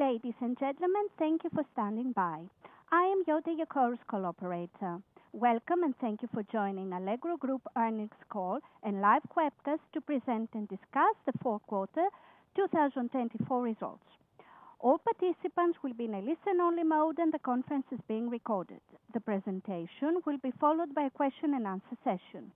Ladies and gentlemen, thank you for standing by. I am Jotun, your operator. Welcome, and thank you for joining Allegro Group earnings call and live webcast to present and discuss the fourth quarter 2024 results. All participants will be in a listen-only mode, and the conference is being recorded. The presentation will be followed by a question-and-answer session.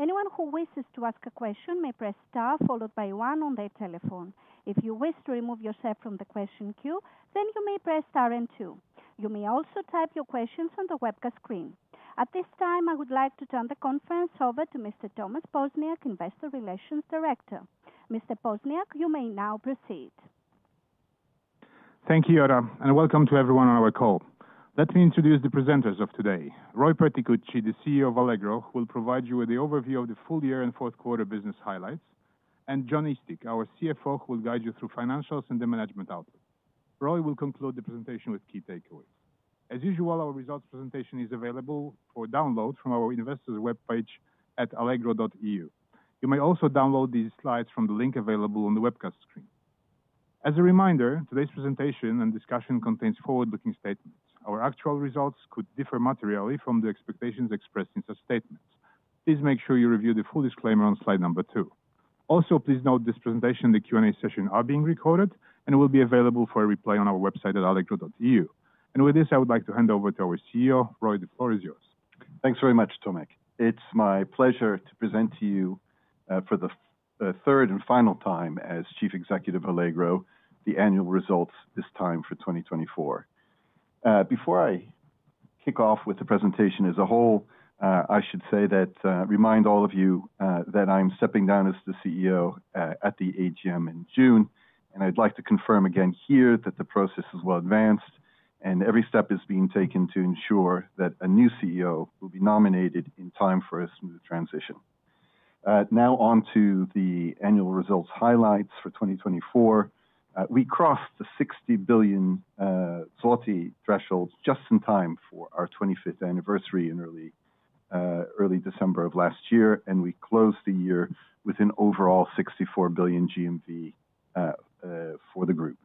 Anyone who wishes to ask a question may press star followed by one on their telephone. If you wish to remove yourself from the question queue, then you may press star and two. You may also type your questions on the webcast screen. At this time, I would like to turn the conference over to Mr. Thomasz Poźniak, Investor Relations Director. Mr. Poźniak, you may now proceed. Thank you, Jotun, and welcome to everyone on our call. Let me introduce the presenters of today: Roy Perticucci, the CEO of Allegro, who will provide you with the overview of the full year and fourth quarter business highlights, and Jon Eastick, our CFO, who will guide you through financials and the management outlook. Roy will conclude the presentation with key takeaways. As usual, our results presentation is available for download from our investors' webpage at allegro.eu. You may also download these slides from the link available on the webcast screen. As a reminder, today's presentation and discussion contain forward-looking statements. Our actual results could differ materially from the expectations expressed in such statements. Please make sure you review the full disclaimer on slide number two. Also, please note this presentation and the Q&A session are being recorded and will be available for a replay on our website at allegro.eu. With this, I would like to hand over to our CEO, Roy Perticucci, yours. Thanks very much, Tomasz. It's my pleasure to present to you for the third and final time as Chief Executive Officer of Allegro, the annual results this time for 2024. Before I kick off with the presentation as a whole, I should say that I remind all of you that I'm stepping down as the CEO at the AGM in June, and I'd like to confirm again here that the process is well advanced and every step is being taken to ensure that a new CEO will be nominated in time for a smooth transition. Now on to the annual results highlights for 2024. We crossed the 60 billion zloty threshold just in time for our 25th anniversary in early December of last year, and we closed the year with an overall 64 billion GMV for the group.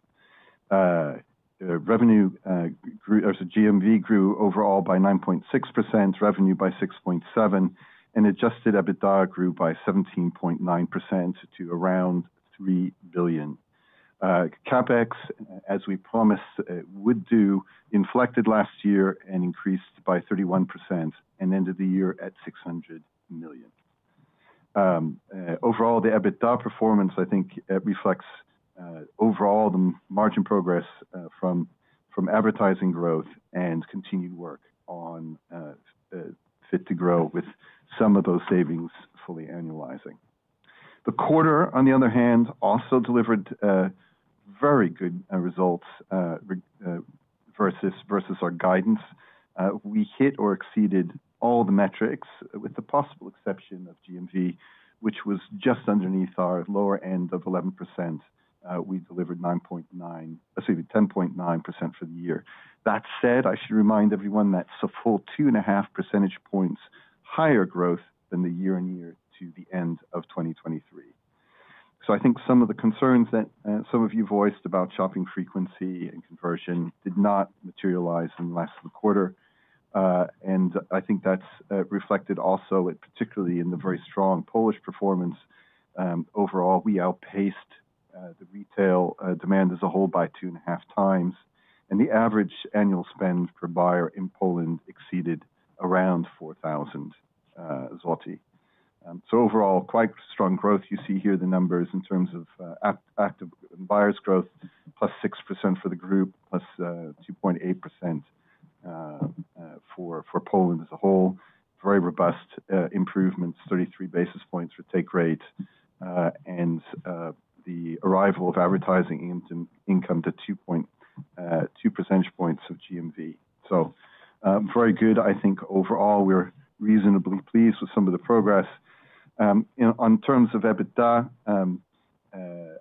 Revenue grew, or GMV grew overall by 9.6%, revenue by 6.7%, and adjusted EBITDA grew by 17.9% to around 3 billion. CapEx, as we promised would do, inflected last year and increased by 31% and ended the year at 600 million. Overall, the EBITDA performance, I think, reflects overall the margin progress from advertising growth and continued work on Fit to Grow with some of those savings fully annualizing. The quarter, on the other hand, also delivered very good results versus our guidance. We hit or exceeded all the metrics with the possible exception of GMV, which was just underneath our lower end of 11%. We delivered 9.9%, excuse me, 10.9% for the year. That said, I should remind everyone that it's a full two and a half percentage points higher growth than the year-on-year to the end of 2023. I think some of the concerns that some of you voiced about shopping frequency and conversion did not materialize in less than a quarter. I think that's reflected also particularly in the very strong Polish performance. Overall, we outpaced the retail demand as a whole by two and a half times, and the average annual spend per buyer in Poland exceeded around 4,000 zloty. Overall, quite strong growth. You see here the numbers in terms of active buyers' growth, plus 6% for the group, plus 2.8% for Poland as a whole. Very robust improvements, 33 basis points for take rate, and the arrival of advertising income to 2.2 percentage points of GMV. Very good. I think overall we're reasonably pleased with some of the progress. In terms of EBITDA,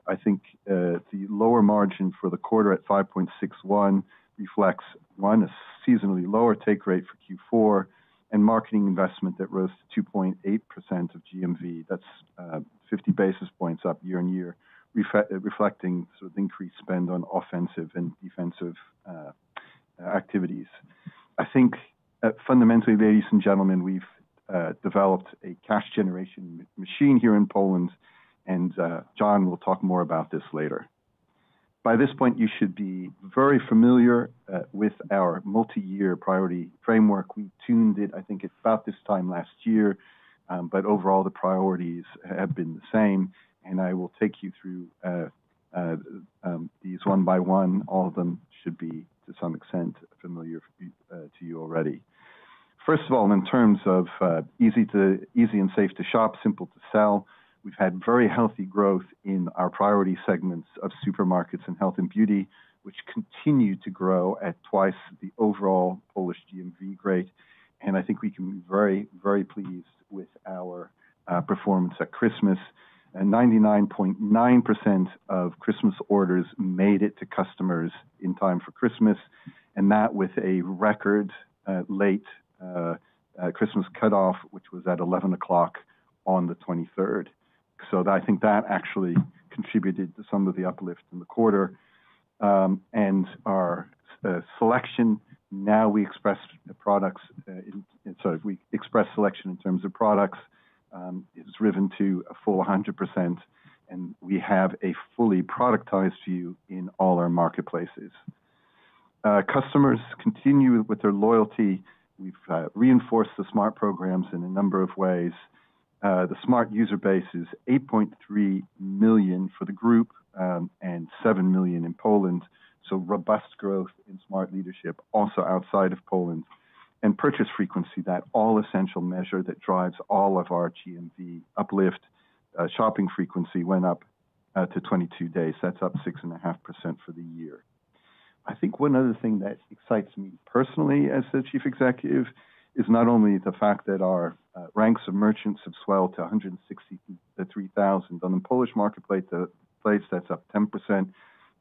I think the lower margin for the quarter at 5.61% reflects, one, a seasonally lower take rate for Q4, and marketing investment that rose to 2.8% of GMV. That is 50 basis points up year-on-year, reflecting sort of increased spend on offensive and defensive activities. I think fundamentally, ladies and gentlemen, we have developed a cash generation machine here in Poland, and John will talk more about this later. By this point, you should be very familiar with our multi-year priority framework. We tuned it, I think, at about this time last year, but overall the priorities have been the same, and I will take you through these one by one. All of them should be, to some extent, familiar to you already. First of all, in terms of easy and safe to shop, simple to sell, we have had very healthy growth in our priority segments of supermarkets and health and beauty, which continue to grow at twice the overall Polish GMV rate. I think we can be very, very pleased with our performance at Christmas. 99.9% of Christmas orders made it to customers in time for Christmas, and that with a record late Christmas cutoff, which was at 11:00 P.M. on the 23rd. I think that actually contributed to some of the uplift in the quarter. Our selection, now we express products, sorry, we express selection in terms of products, is driven to a full 100%, and we have a fully productized view in all our marketplaces. Customers continue with their loyalty. We have reinforced the Smart programs in a number of ways. The Smart user base is 8.3 million for the group and 7 million in Poland. Robust growth in Smart leadership also outside of Poland. Purchase frequency, that all-essential measure that drives all of our GMV uplift, shopping frequency went up to 22 days. That's up 6.5% for the year. I think one other thing that excites me personally as the Chief Executive is not only the fact that our ranks of merchants have swelled to 163,000. On the Polish marketplace, that's up 10%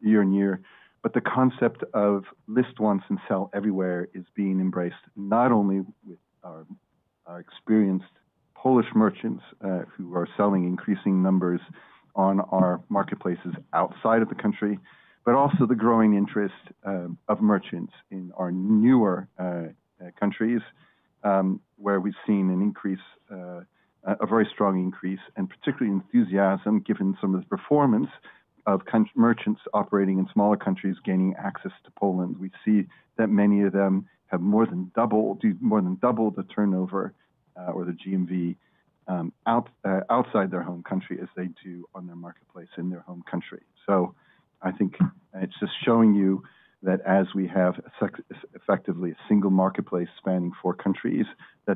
year-on-year. The concept of list once and sell everywhere is being embraced not only with our experienced Polish merchants who are selling increasing numbers on our marketplaces outside of the country, but also the growing interest of merchants in our newer countries where we've seen an increase, a very strong increase, and particularly enthusiasm given some of the performance of merchants operating in smaller countries gaining access to Poland. We see that many of them have more than doubled, more than doubled the turnover or the GMV outside their home country as they do on their marketplace in their home country. I think it's just showing you that as we have effectively a single marketplace spanning four countries,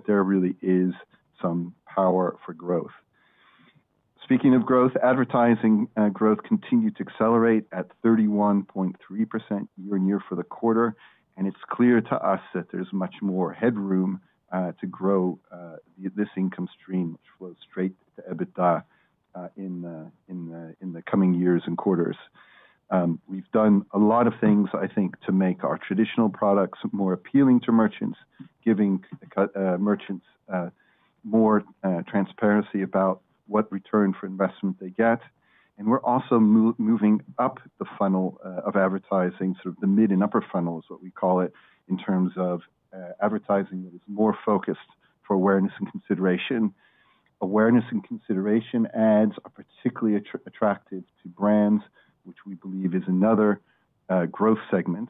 there really is some power for growth. Speaking of growth, advertising growth continued to accelerate at 31.3% year-on-year for the quarter, and it's clear to us that there's much more headroom to grow this income stream which flows straight to EBITDA in the coming years and quarters. We've done a lot of things, I think, to make our traditional products more appealing to merchants, giving merchants more transparency about what return for investment they get. We're also moving up the funnel of advertising, sort of the mid and upper funnel is what we call it in terms of advertising that is more focused for awareness and consideration. Awareness and consideration ads are particularly attractive to brands, which we believe is another growth segment.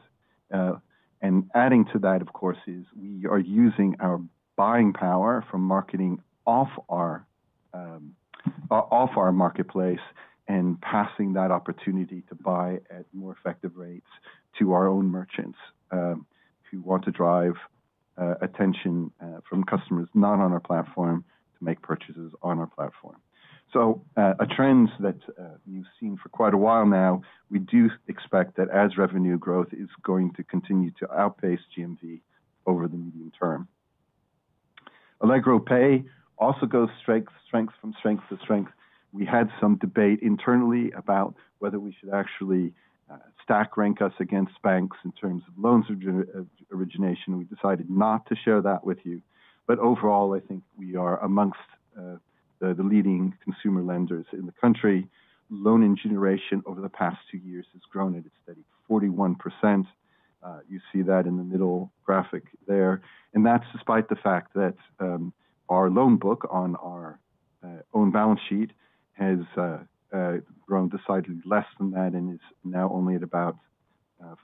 Adding to that, of course, is we are using our buying power from marketing off our marketplace and passing that opportunity to buy at more effective rates to our own merchants who want to drive attention from customers not on our platform to make purchases on our platform. A trend that we have seen for quite a while now, we do expect that as revenue growth is going to continue to outpace GMV over the medium term. Allegro Pay also goes strength from strength to strength. We had some debate internally about whether we should actually stack rank us against banks in terms of loans origination. We decided not to share that with you. Overall, I think we are amongst the leading consumer lenders in the country. Loan in generation over the past two years has grown at a steady 41%. You see that in the middle graphic there. That is despite the fact that our loan book on our own balance sheet has grown decidedly less than that and is now only at about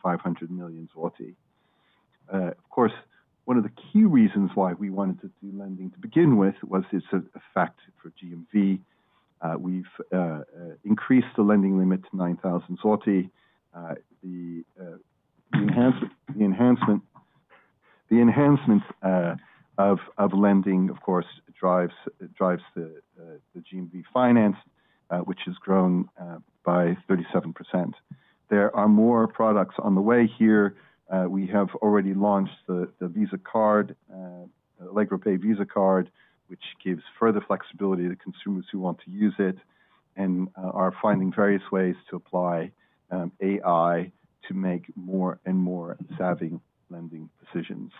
500 million zloty. Of course, one of the key reasons why we wanted to do lending to begin with was its effect for GMV. We have increased the lending limit to 9,000 zloty. The enhancement of lending, of course, drives the GMV finance, which has grown by 37%. There are more products on the way here. We have already launched the Allegro Pay Visa card, which gives further flexibility to consumers who want to use it and are finding various ways to apply AI to make more and more savvy lending decisions.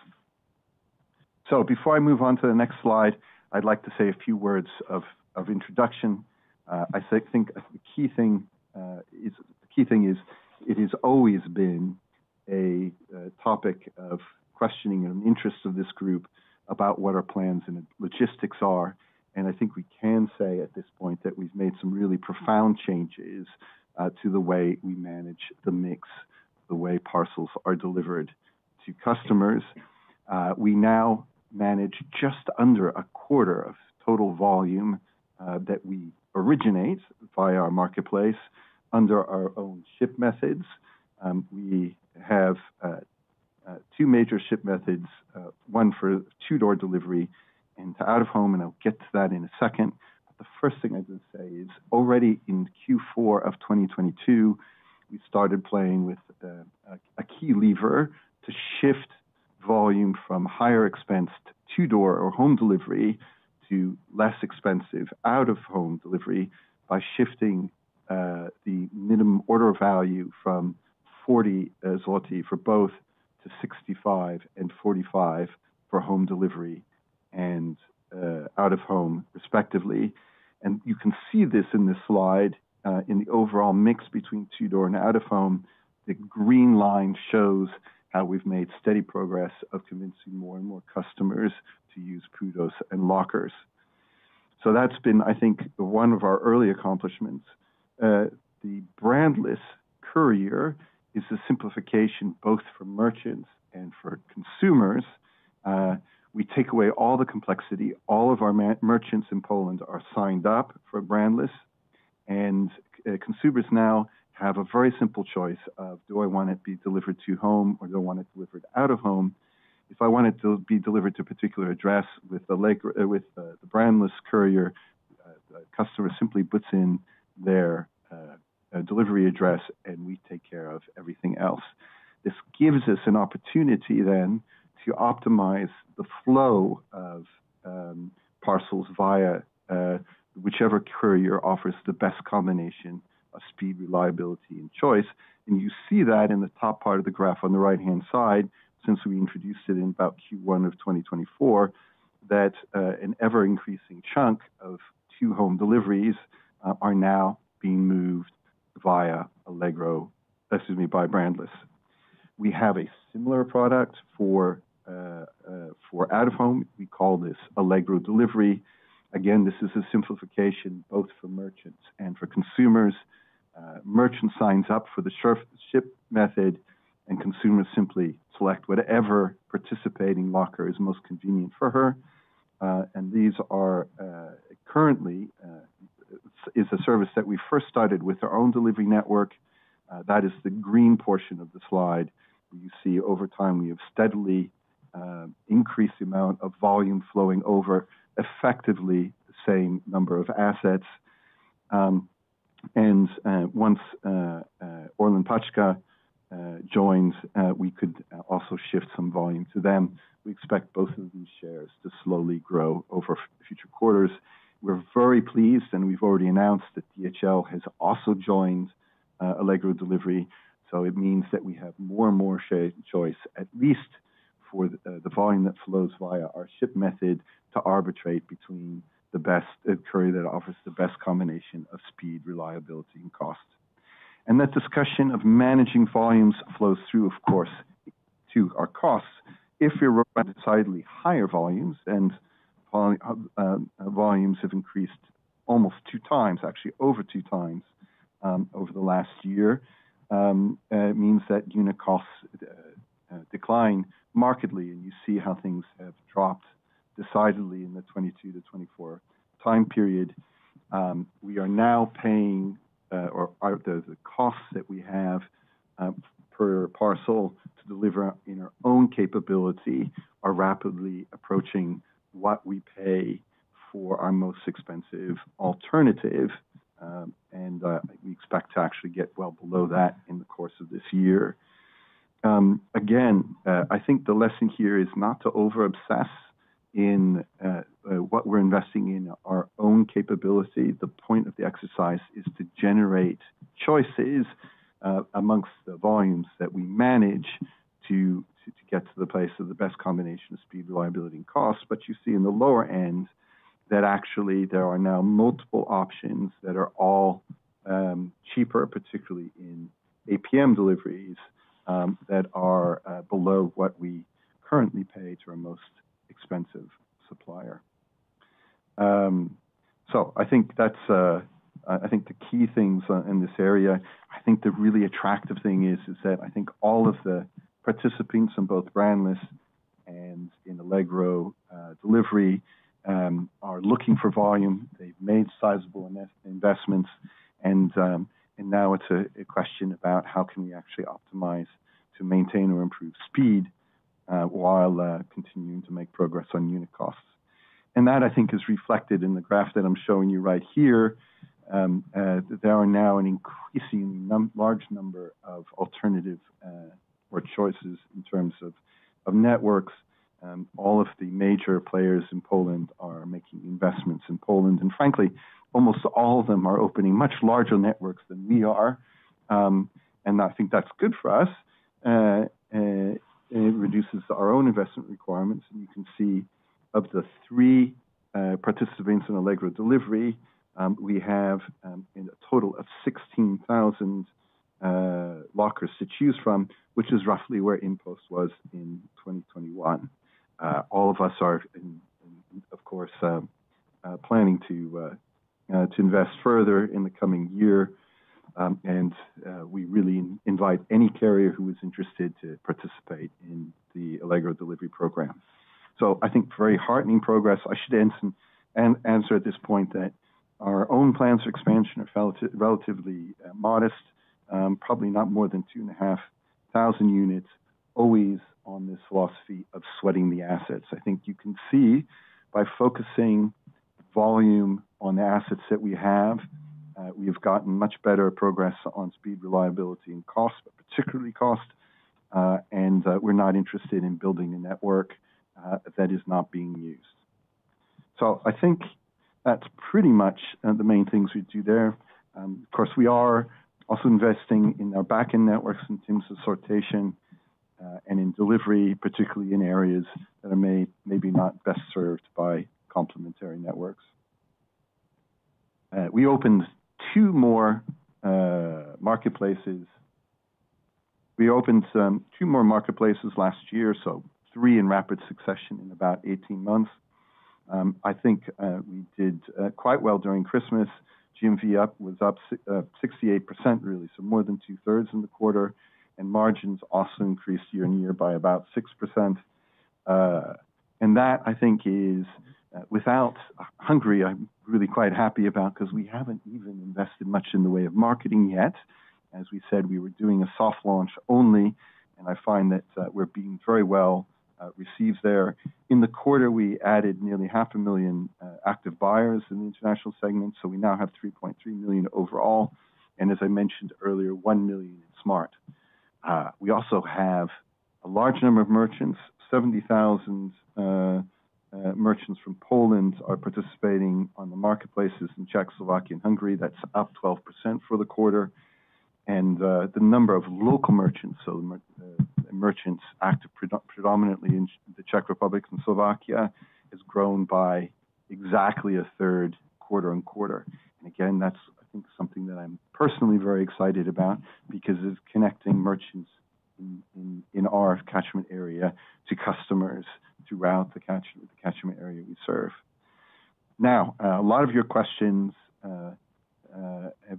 Before I move on to the next slide, I would like to say a few words of introduction. I think the key thing is it has always been a topic of questioning and interest of this group about what our plans and logistics are. I think we can say at this point that we've made some really profound changes to the way we manage the mix, the way parcels are delivered to customers. We now manage just under a quarter of total volume that we originate via our marketplace under our own ship methods. We have two major ship methods, one for two-door delivery and out of home, and I'll get to that in a second. The first thing I'd say is already in Q4 of 2022, we started playing with a key lever to shift volume from higher expense to two-door or home delivery to less expensive out-of-home delivery by shifting the minimum order value from 40 zloty for both to 65 and 45 for home delivery and out-of-home, respectively. You can see this in this slide. In the overall mix between two-door and out-of-home, the green line shows how we've made steady progress of convincing more and more customers to use kudos and lockers. That's been, I think, one of our early accomplishments. The Brandless courier is a simplification both for merchants and for consumers. We take away all the complexity. All of our merchants in Poland are signed up for Brandless, and consumers now have a very simple choice of, do I want it to be delivered to home or do I want it delivered out of home? If I want it to be delivered to a particular address with the Brandless courier, the customer simply puts in their delivery address, and we take care of everything else. This gives us an opportunity then to optimize the flow of parcels via whichever courier offers the best combination of speed, reliability, and choice. You see that in the top part of the graph on the right-hand side, since we introduced it in about Q1 of 2024, that an ever-increasing chunk of to-home deliveries are now being moved via Allegro, excuse me, by Brandless. We have a similar product for out-of-home. We call this Allegro Delivery. Again, this is a simplification both for merchants and for consumers. Merchant signs up for the ship method, and consumers simply select whatever participating locker is most convenient for her. These are currently a service that we first started with our own delivery network. That is the green portion of the slide. You see over time we have steadily increased the amount of volume flowing over effectively the same number of assets. Once ORLEN Paczka joins, we could also shift some volume to them. We expect both of these shares to slowly grow over future quarters. We are very pleased, and we have already announced that DHL has also joined Allegro Delivery. It means that we have more and more choice, at least for the volume that flows via our ship method to arbitrate between the best courier that offers the best combination of speed, reliability, and cost. That discussion of managing volumes flows through, of course, to our costs. If we're running decidedly higher volumes, and volumes have increased almost two times, actually over two times over the last year, it means that unit costs decline markedly, and you see how things have dropped decidedly in the 2022-2024 time period. We are now paying or the costs that we have per parcel to deliver in our own capability are rapidly approaching what we pay for our most expensive alternative, and we expect to actually get well below that in the course of this year. Again, I think the lesson here is not to over-obsess in what we're investing in our own capability. The point of the exercise is to generate choices amongst the volumes that we manage to get to the place of the best combination of speed, reliability, and cost. You see in the lower end that actually there are now multiple options that are all cheaper, particularly in APM deliveries, that are below what we currently pay to our most expensive supplier. I think that's the key things in this area. I think the really attractive thing is that I think all of the participants in both Brandless and in Allegro Delivery are looking for volume. They've made sizable investments, and now it's a question about how can we actually optimize to maintain or improve speed while continuing to make progress on unit costs. That, I think, is reflected in the graph that I'm showing you right here. There are now an increasingly large number of alternative or choices in terms of networks. All of the major players in Poland are making investments in Poland, and frankly, almost all of them are opening much larger networks than we are. I think that's good for us. It reduces our own investment requirements. You can see of the three participants in Allegro Delivery, we have a total of 16,000 lockers to choose from, which is roughly where InPost was in 2021. All of us are, of course, planning to invest further in the coming year, and we really invite any carrier who is interested to participate in the Allegro Delivery program. I think very heartening progress. I should answer at this point that our own plans for expansion are relatively modest, probably not more than 2,500 units, always on this philosophy of sweating the assets. I think you can see by focusing volume on the assets that we have, we have gotten much better progress on speed, reliability, and cost, but particularly cost. We are not interested in building a network that is not being used. I think that is pretty much the main things we do there. Of course, we are also investing in our backend networks in terms of sortation and in delivery, particularly in areas that are maybe not best served by complementary networks. We opened two more marketplaces. We opened two more marketplaces last year, so three in rapid succession in about 18 months. I think we did quite well during Christmas. GMV was up 68%, really, so more than two-thirds in the quarter, and margins also increased year-on-year by about 6%. That, I think, is without Hungary, which I'm really quite happy about because we haven't even invested much in the way of marketing yet. As we said, we were doing a soft launch only, and I find that we're being very well received there. In the quarter, we added nearly 500,000 active buyers in the international segment, so we now have 3.3 million overall. As I mentioned earlier, 1 million in Smart. We also have a large number of merchants. 70,000 merchants from Poland are participating on the marketplaces in Czech, Slovakia, and Hungary. That's up 12% for the quarter. The number of local merchants, so merchants active predominantly in the Czech Republic and Slovakia, has grown by exactly a third quarter on quarter. That's, I think, something that I'm personally very excited about because it's connecting merchants in our catchment area to customers throughout the catchment area we serve. A lot of your questions have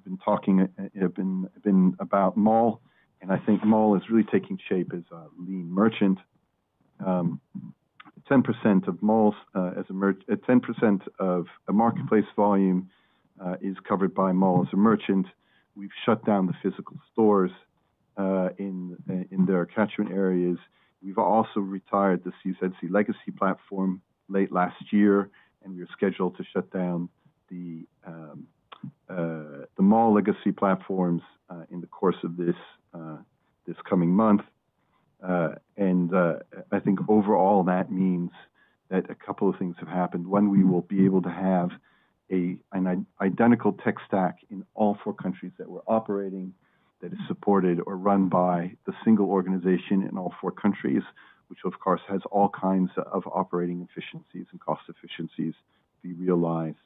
been about Mall, and I think Mall is really taking shape as a lean merchant. 10% of marketplace volume is covered by Mall as a merchant. We've shut down the physical stores in their catchment areas. We've also retired the CZC legacy platform late last year, and we are scheduled to shut down the Mall legacy platforms in the course of this coming month. I think overall, that means that a couple of things have happened. One, we will be able to have an identical tech stack in all four countries that we're operating that is supported or run by the single organization in all four countries, which, of course, has all kinds of operating efficiencies and cost efficiencies to be realized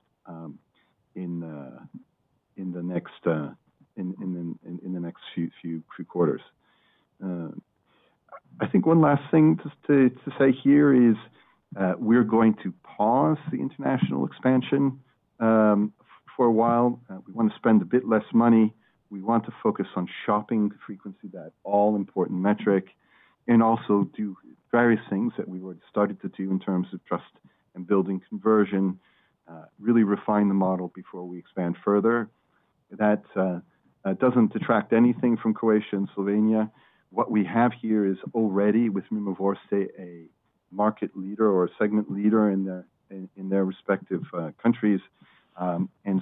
in the next few quarters. I think one last thing just to say here is we're going to pause the international expansion for a while. We want to spend a bit less money. We want to focus on shopping frequency, that all-important metric, and also do various things that we've already started to do in terms of trust and building conversion, really refine the model before we expand further. That doesn't detract anything from Croatia and Slovenia. What we have here is already with Mimovrste, a market leader or segment leader in their respective countries. We are in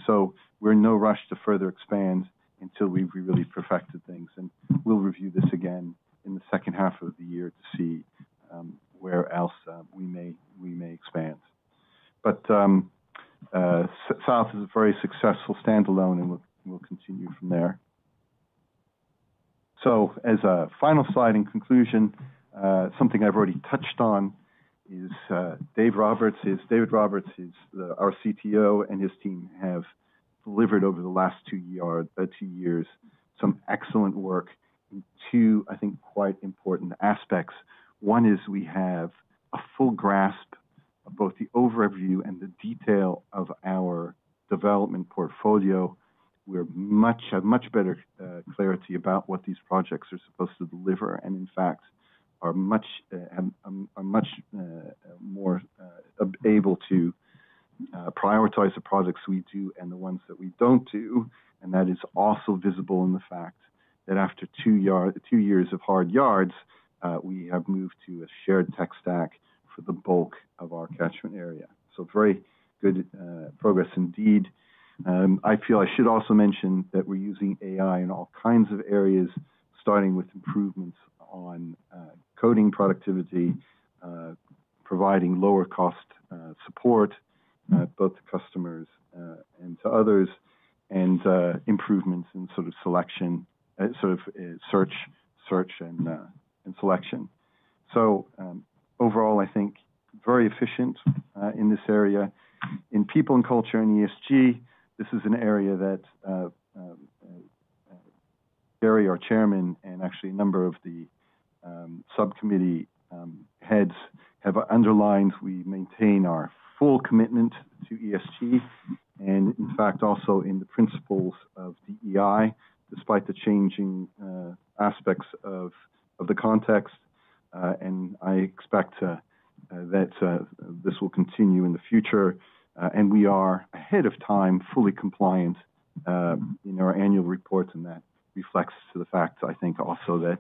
no rush to further expand until we have really perfected things. We will review this again in the second half of the year to see where else we may expand. South is a very successful standalone, and we will continue from there. As a final slide in conclusion, something I have already touched on is David Roberts. David Roberts is our CTO, and his team have delivered over the last two years some excellent work in two, I think, quite important aspects. One is we have a full grasp of both the overview and the detail of our development portfolio. We have much better clarity about what these projects are supposed to deliver and, in fact, are much more able to prioritize the projects we do and the ones that we do not do. That is also visible in the fact that after two years of hard yards, we have moved to a shared tech stack for the bulk of our catchment area. Very good progress indeed. I feel I should also mention that we're using AI in all kinds of areas, starting with improvements on coding productivity, providing lower-cost support both to customers and to others, and improvements in sort of selection, sort of search and selection. Overall, I think very efficient in this area. In people and culture and ESG, this is an area that Gary, our Chairman, and actually a number of the subcommittee heads have underlined. We maintain our full commitment to ESG and, in fact, also in the principles of DEI, despite the changing aspects of the context. I expect that this will continue in the future. We are ahead of time, fully compliant in our annual report, and that reflects the fact, I think, also that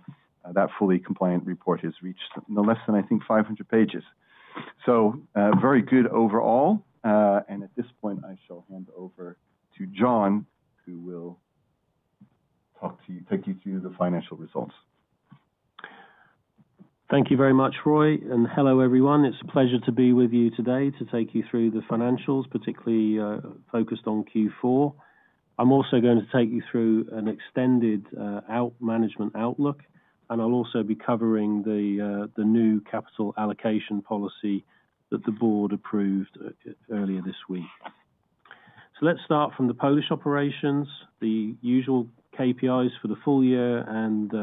that fully compliant report has reached no less than, I think, 500 pages. Very good overall. At this point, I shall hand over to John, who will take you through the financial results. Thank you very much, Roy. Hello, everyone. It's a pleasure to be with you today to take you through the financials, particularly focused on Q4. I'm also going to take you through an extended management outlook, and I'll also be covering the new capital allocation policy that the board approved earlier this week. Let's start from the Polish operations. The usual KPIs for the full year and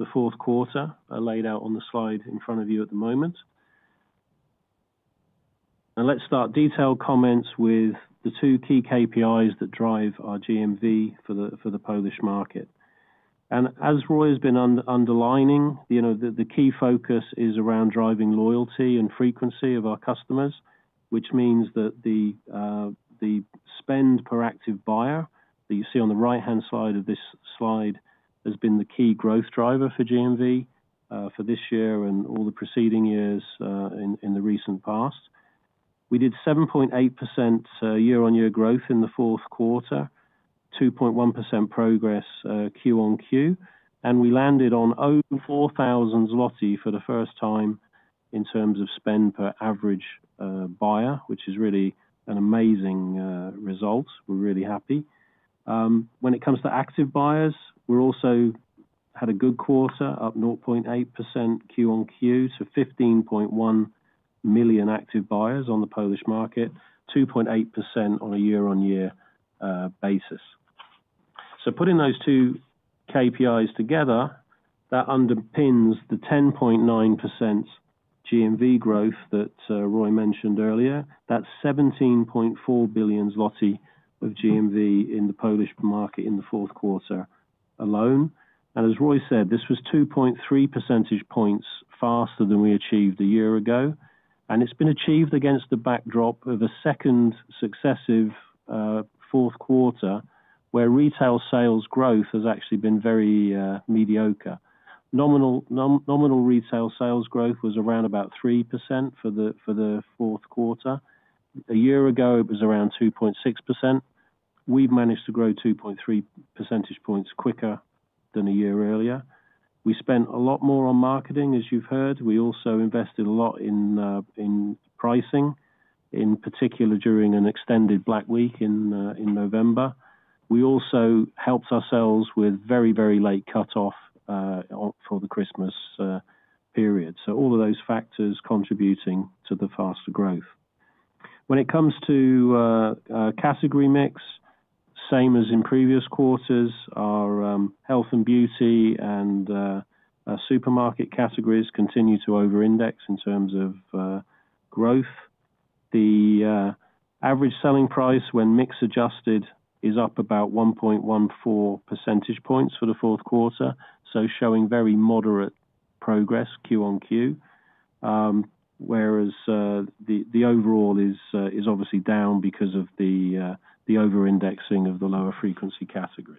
the fourth quarter are laid out on the slide in front of you at the moment. Let's start detailed comments with the two key KPIs that drive our GMV for the Polish market. As Roy has been underlining, the key focus is around driving loyalty and frequency of our customers, which means that the spend per active buyer that you see on the right-hand side of this slide has been the key growth driver for GMV for this year and all the preceding years in the recent past. We did 7.8% year-on-year growth in the fourth quarter, 2.1% progress QoQ, and we landed on 0.4 thousand zloty for the first time in terms of spend per average buyer, which is really an amazing result. We're really happy. When it comes to active buyers, we also had a good quarter, up 0.8% QoQ to 15.1 million active buyers on the Polish market, 2.8% on a year-on-year basis. Putting those two KPIs together, that underpins the 10.9% GMV growth that Roy mentioned earlier. That's 17.4 billion zloty of GMV in the Polish market in the fourth quarter alone. As Roy said, this was 2.3 percentage points faster than we achieved a year ago. It has been achieved against the backdrop of a second successive fourth quarter where retail sales growth has actually been very mediocre. Nominal retail sales growth was around 3% for the fourth quarter. A year ago, it was around 2.6%. We have managed to grow 2.3 percentage points quicker than a year earlier. We spent a lot more on marketing, as you've heard. We also invested a lot in pricing, in particular during an extended Black Week in November. We also helped ourselves with very, very late cutoff for the Christmas period. All of those factors contributed to the faster growth. When it comes to category mix, same as in previous quarters, our health and beauty and supermarket categories continue to over-index in terms of growth. The average selling price when mix adjusted is up about 1.14 percentage points for the fourth quarter, showing very moderate progress QoQ, whereas the overall is obviously down because of the over-indexing of the lower frequency categories.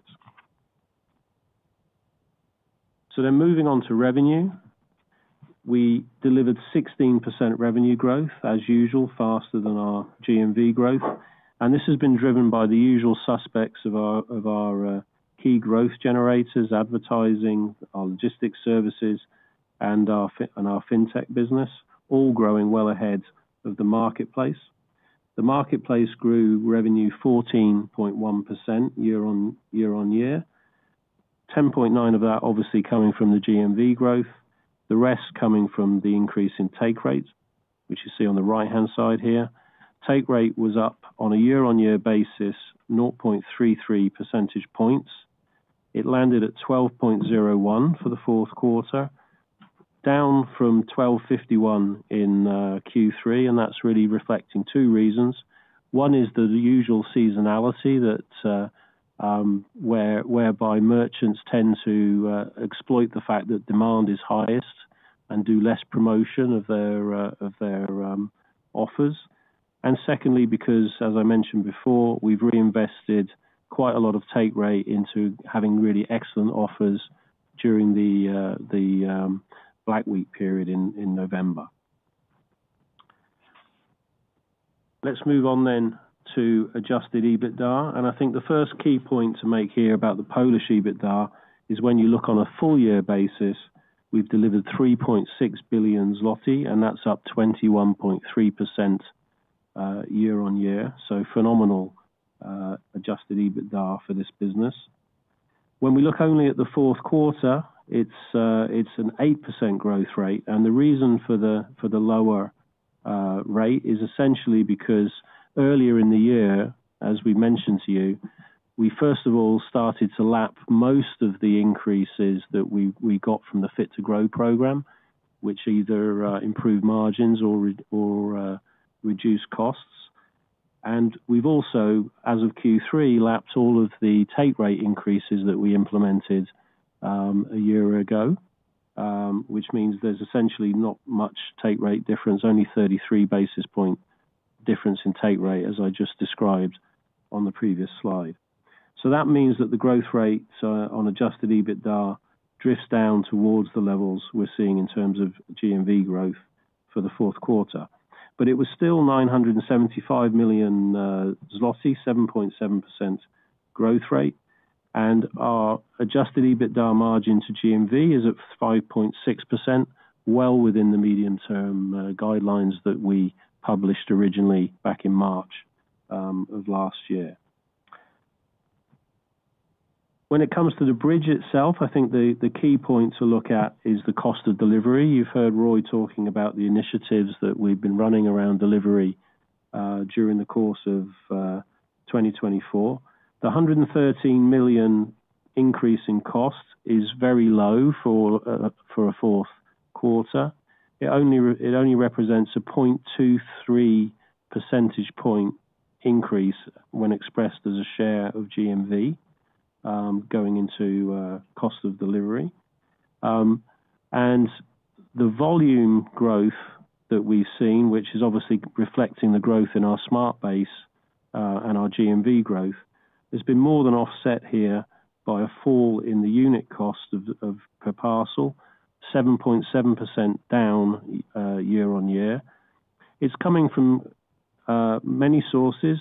Moving on to revenue, we delivered 16% revenue growth, as usual, faster than our GMV growth. This has been driven by the usual suspects of our key growth generators, advertising, our logistics services, and our fintech business, all growing well ahead of the marketplace. The marketplace grew revenue 14.1% year-on-year. 10.9% of that obviously coming from the GMV growth. The rest coming from the increase in take rates, which you see on the right-hand side here. Take rate was up on a year-on-year basis, 0.33 percentage points. It landed at 12.01% for the fourth quarter, down from 12.51% in Q3, and that is really reflecting two reasons. One is the usual seasonality whereby merchants tend to exploit the fact that demand is highest and do less promotion of their offers. Secondly, because, as I mentioned before, we have reinvested quite a lot of take rate into having really excellent offers during the Black Week period in November. Let's move on then to adjusted EBITDA. I think the first key point to make here about the Polish EBITDA is when you look on a full-year basis, we have delivered 3.6 billion zloty, and that is up 21.3% year-on-year. Phenomenal adjusted EBITDA for this business. When we look only at the fourth quarter, it is an 8% growth rate. The reason for the lower rate is essentially because earlier in the year, as we mentioned to you, we first of all started to lap most of the increases that we got from the fit-to-grow program, which either improved margins or reduced costs. We have also, as of Q3, lapsed all of the take rate increases that we implemented a year ago, which means there is essentially not much take rate difference, only 33 basis point difference in take rate, as I just described on the previous slide. That means that the growth rates on adjusted EBITDA drift down towards the levels we are seeing in terms of GMV growth for the fourth quarter. It was still 975 million zloty, 7.7% growth rate. Our adjusted EBITDA margin to GMV is at 5.6%, well within the medium-term guidelines that we published originally back in March of last year. When it comes to the bridge itself, I think the key point to look at is the cost of delivery. You've heard Roy talking about the initiatives that we've been running around delivery during the course of 2024. The 113 million increase in cost is very low for a fourth quarter. It only represents a 0.23 percentage point increase when expressed as a share of GMV going into cost of delivery. The volume growth that we've seen, which is obviously reflecting the growth in our Smart base and our GMV growth, has been more than offset here by a fall in the unit cost per parcel, 7.7% down year-on-year. It's coming from many sources.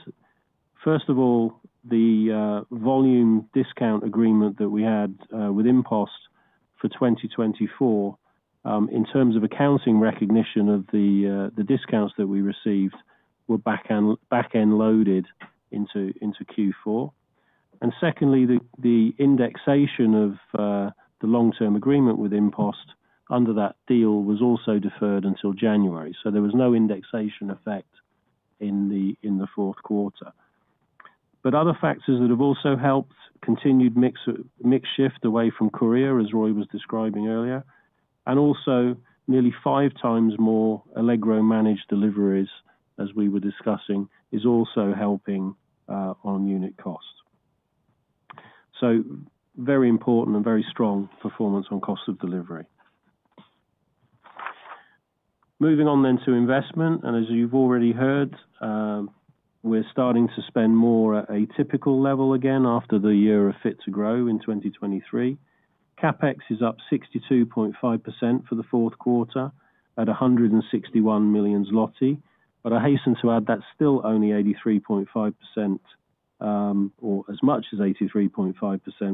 First of all, the volume discount agreement that we had with InPost for 2024, in terms of accounting recognition of the discounts that we received, were back-end loaded into Q4. Secondly, the indexation of the long-term agreement with InPost under that deal was also deferred until January. There was no indexation effect in the fourth quarter. Other factors that have also helped include continued mix shift away from Korea, as Roy was describing earlier, and also nearly five times more Allegro managed deliveries, as we were discussing, is also helping on unit cost. Very important and very strong performance on cost of delivery. Moving on then to investment. As you've already heard, we're starting to spend more at a typical level again after the year of fit-to-grow in 2023. CapEx is up 62.5% for the fourth quarter at 161 million zloty. I hasten to add that's still only 83.5% or as much as 83.5%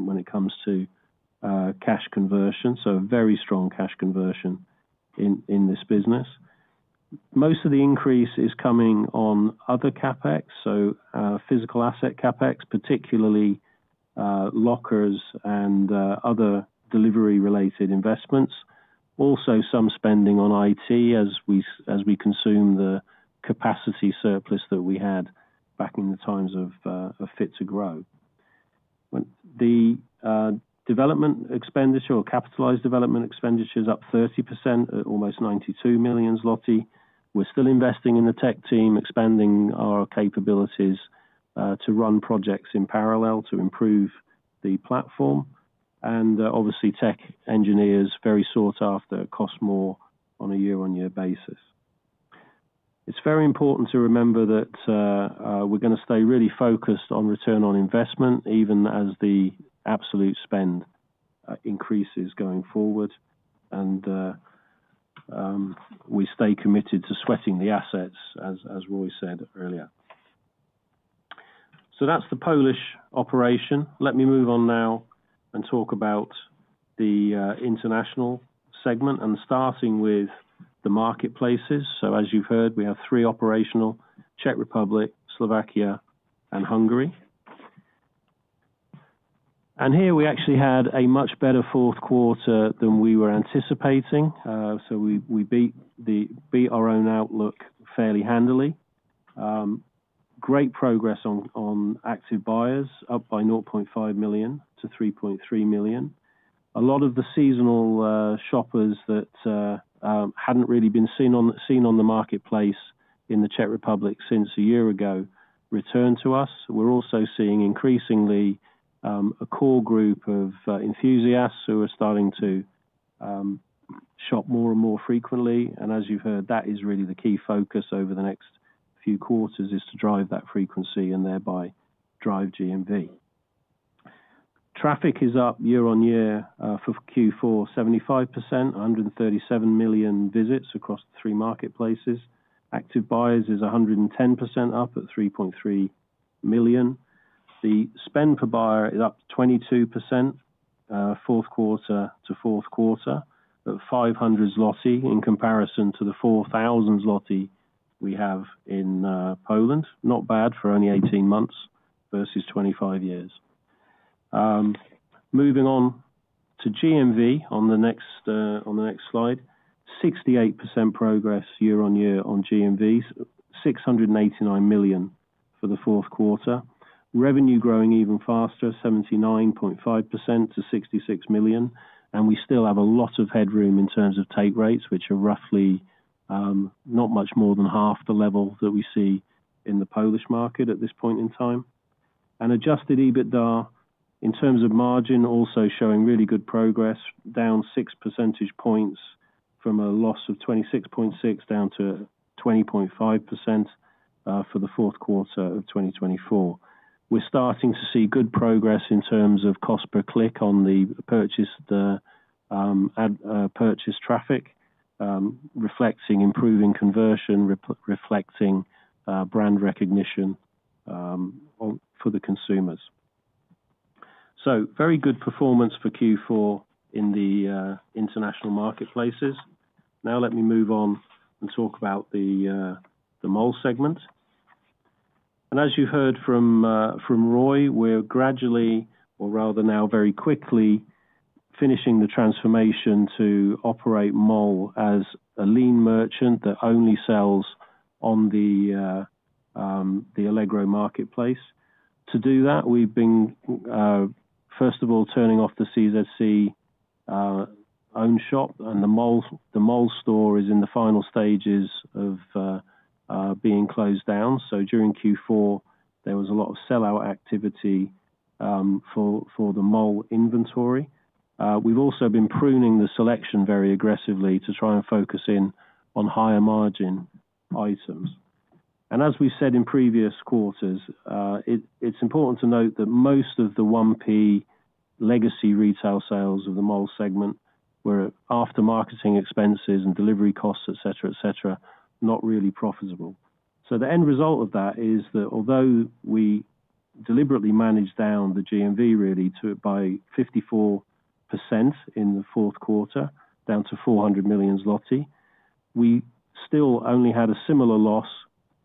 when it comes to cash conversion. Very strong cash conversion in this business. Most of the increase is coming on other CapEx, so physical asset CapEx, particularly lockers and other delivery-related investments. Also some spending on IT as we consume the capacity surplus that we had back in the times of fit-to-grow. The development expenditure or capitalized development expenditure is up 30%, almost 92 million zloty. We're still investing in the tech team, expanding our capabilities to run projects in parallel to improve the platform. Obviously, tech engineers, very sought after, cost more on a year-on-year basis. It is very important to remember that we're going to stay really focused on return on investment, even as the absolute spend increases going forward. We stay committed to sweating the assets, as Roy said earlier. That is the Polish operation. Let me move on now and talk about the international segment, starting with the marketplaces. As you have heard, we have three operational: Czech Republic, Slovakia, and Hungary. Here we actually had a much better fourth quarter than we were anticipating. We beat our own outlook fairly handily. Great progress on active buyers, up by 500,000 to 3.3 million. A lot of the seasonal shoppers that had not really been seen on the marketplace in the Czech Republic since a year ago returned to us. We are also seeing increasingly a core group of enthusiasts who are starting to shop more and more frequently. As you have heard, that is really the key focus over the next few quarters, to drive that frequency and thereby drive GMV. Traffic is up year-on-year for Q4, 75%, 137 million visits across the three marketplaces. Active buyers is 110% up at 3.3 million. The spend per buyer is up 22% fourth quarter to fourth quarter at 500 zloty in comparison to the 4,000 zloty we have in Poland. Not bad for only 18 months versus 25 years. Moving on to GMV on the next slide, 68% progress year-on-year on GMV, 689 million for the fourth quarter. Revenue growing even faster, 79.5% to 66 million. We still have a lot of headroom in terms of take rates, which are roughly not much more than half the level that we see in the Polish market at this point in time. Adjusted EBITDA, in terms of margin, also showing really good progress, down 6 percentage points from a loss of 26.6% down to 20.5% for the fourth quarter of 2024. We're starting to see good progress in terms of cost per click on the purchase traffic, reflecting improving conversion, reflecting brand recognition for the consumers. Very good performance for Q4 in the international marketplaces. Now let me move on and talk about the Mall segment. As you've heard from Roy, we're gradually, or rather now very quickly, finishing the transformation to operate Mall as a lean merchant that only sells on the Allegro marketplace. To do that, we've been, first of all, turning off the CZC owned shop, and the Mall store is in the final stages of being closed down. During Q4, there was a lot of sellout activity for the Mall inventory. We've also been pruning the selection very aggressively to try and focus in on higher margin items. As we said in previous quarters, it's important to note that most of the 1P legacy retail sales of the Mall segment were after marketing expenses and delivery costs, etc., etc., not really profitable. The end result of that is that although we deliberately managed down the GMV really by 54% in the fourth quarter, down to 400 million zloty, we still only had a similar loss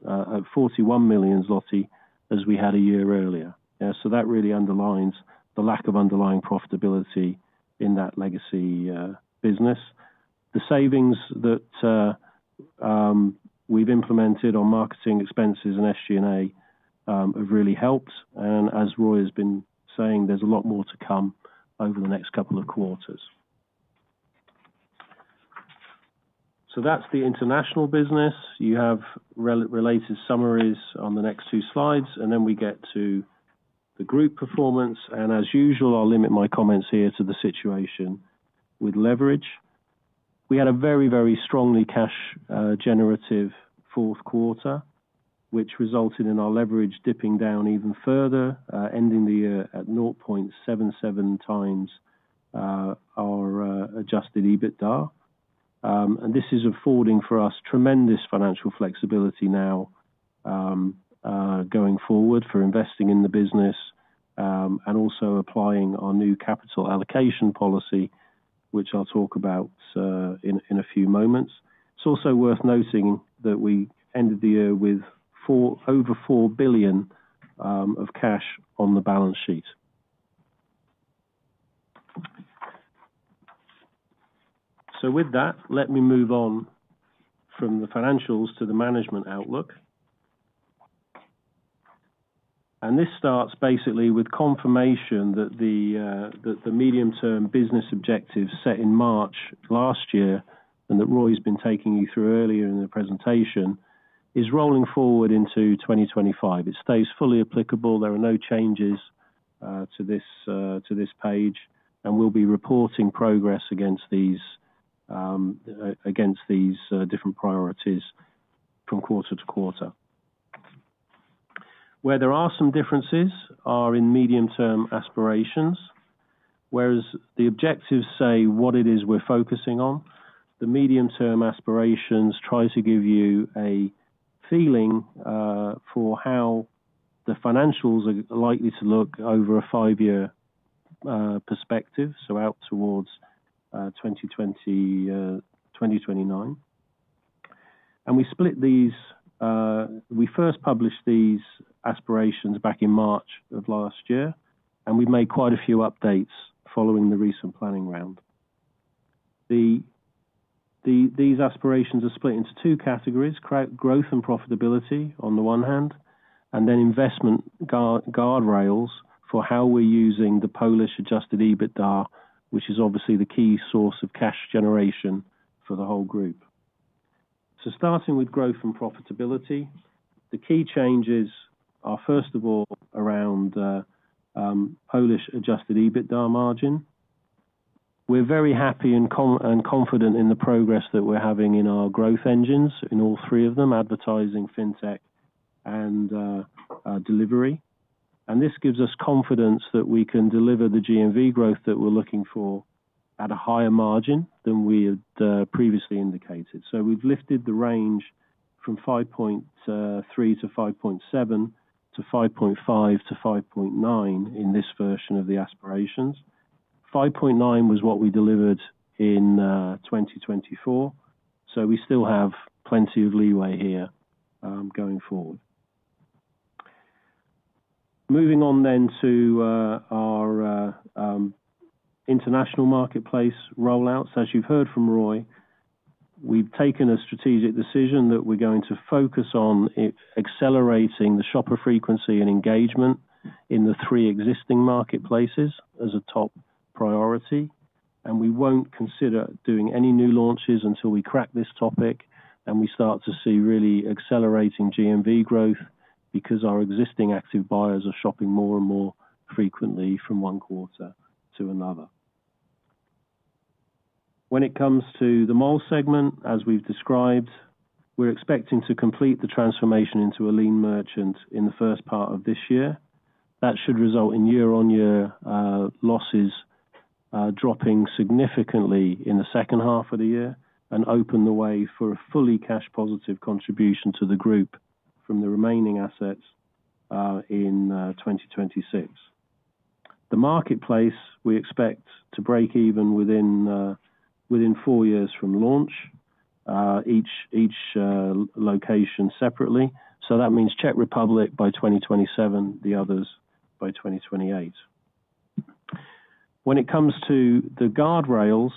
at 41 million zloty as we had a year earlier. That really underlines the lack of underlying profitability in that legacy business. The savings that we've implemented on marketing expenses and SG&A have really helped. As Roy has been saying, there's a lot more to come over the next couple of quarters. That's the international business. You have related summaries on the next two slides. We get to the group performance. As usual, I'll limit my comments here to the situation with leverage. We had a very, very strongly cash generative fourth quarter, which resulted in our leverage dipping down even further, ending the year at 0.7x our adjusted EBITDA. This is affording for us tremendous financial flexibility now going forward for investing in the business and also applying our new capital allocation policy, which I'll talk about in a few moments. It's also worth noting that we ended the year with over 4 billion of cash on the balance sheet. With that, let me move on from the financials to the management outlook. This starts basically with confirmation that the medium-term business objective set in March last year and that Roy has been taking you through earlier in the presentation is rolling forward into 2025. It stays fully applicable. There are no changes to this page. We will be reporting progress against these different priorities from quarter to quarter. Where there are some differences are in medium-term aspirations. Whereas the objectives say what it is we are focusing on, the medium-term aspirations try to give you a feeling for how the financials are likely to look over a five-year perspective, so out towards 2029. We split these. We first published these aspirations back in March of last year. We have made quite a few updates following the recent planning round. These aspirations are split into two categories: growth and profitability on the one hand, and then investment guardrails for how we are using the Polish adjusted EBITDA, which is obviously the key source of cash generation for the whole group. Starting with growth and profitability, the key changes are first of all around Polish adjusted EBITDA margin. We're very happy and confident in the progress that we're having in our growth engines in all three of them: advertising, fintech, and delivery. This gives us confidence that we can deliver the GMV growth that we're looking for at a higher margin than we had previously indicated. We have lifted the range from 5.3 billion-5.7 billion to 5.5 billion-5.9 billion in this version of the aspirations. 5.9 billion was what we delivered in 2024. We still have plenty of leeway here going forward. Moving on then to our international marketplace rollouts. As you've heard from Roy, we've taken a strategic decision that we're going to focus on accelerating the shopper frequency and engagement in the three existing marketplaces as a top priority. We will not consider doing any new launches until we crack this topic and we start to see really accelerating GMV growth because our existing active buyers are shopping more and more frequently from one quarter to another. When it comes to the Mall segment, as we have described, we are expecting to complete the transformation into a lean merchant in the first part of this year. That should result in year-on-year losses dropping significantly in the second half of the year and open the way for a fully cash-positive contribution to the group from the remaining assets in 2026. The marketplace, we expect to break even within four years from launch, each location separately. That means Czech Republic by 2027, the others by 2028. When it comes to the guardrails,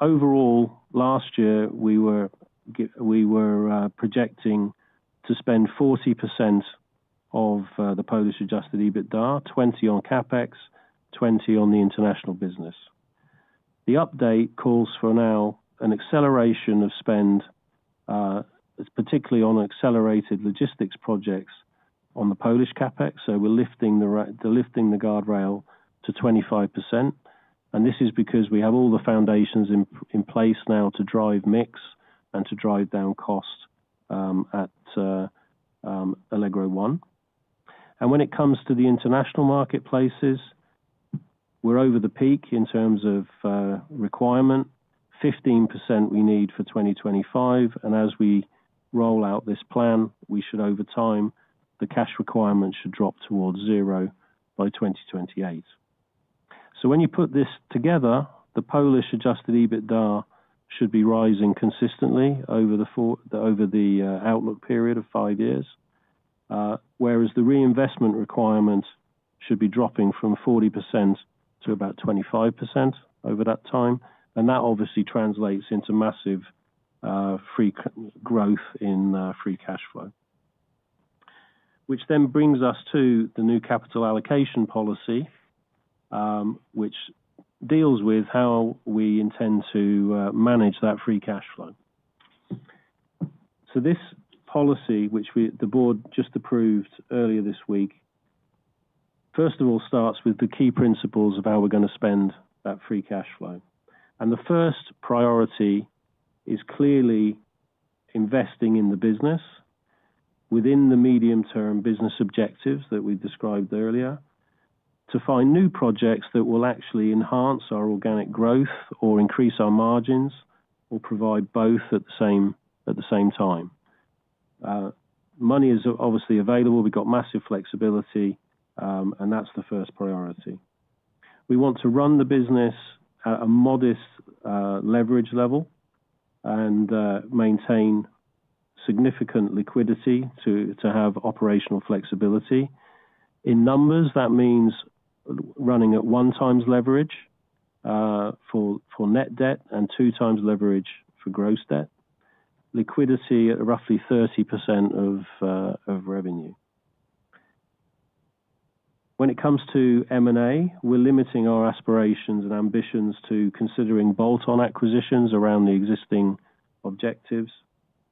overall, last year, we were projecting to spend 40% of the Polish adjusted EBITDA, 20% on CapEx, 20% on the international business. The update calls for now an acceleration of spend, particularly on accelerated logistics projects on the Polish CapEx. We are lifting the guardrail to 25%. This is because we have all the foundations in place now to drive mix and to drive down cost at Allegro One. When it comes to the international marketplaces, we are over the peak in terms of requirement, 15% we need for 2025. As we roll out this plan, we should, over time, the cash requirement should drop towards zero by 2028. When you put this together, the Polish adjusted EBITDA should be rising consistently over the outlook period of five years, whereas the reinvestment requirement should be dropping from 40% to about 25% over that time. That obviously translates into massive growth in free cash flow, which then brings us to the new capital allocation policy, which deals with how we intend to manage that free cash flow. This policy, which the board just approved earlier this week, first of all, starts with the key principles of how we're going to spend that free cash flow. The first priority is clearly investing in the business within the medium-term business objectives that we described earlier to find new projects that will actually enhance our organic growth or increase our margins or provide both at the same time. Money is obviously available. We've got massive flexibility, and that's the first priority. We want to run the business at a modest leverage level and maintain significant liquidity to have operational flexibility. In numbers, that means running at one times leverage for net debt and two times leverage for gross debt, liquidity at roughly 30% of revenue. When it comes to M&A, we're limiting our aspirations and ambitions to considering bolt-on acquisitions around the existing objectives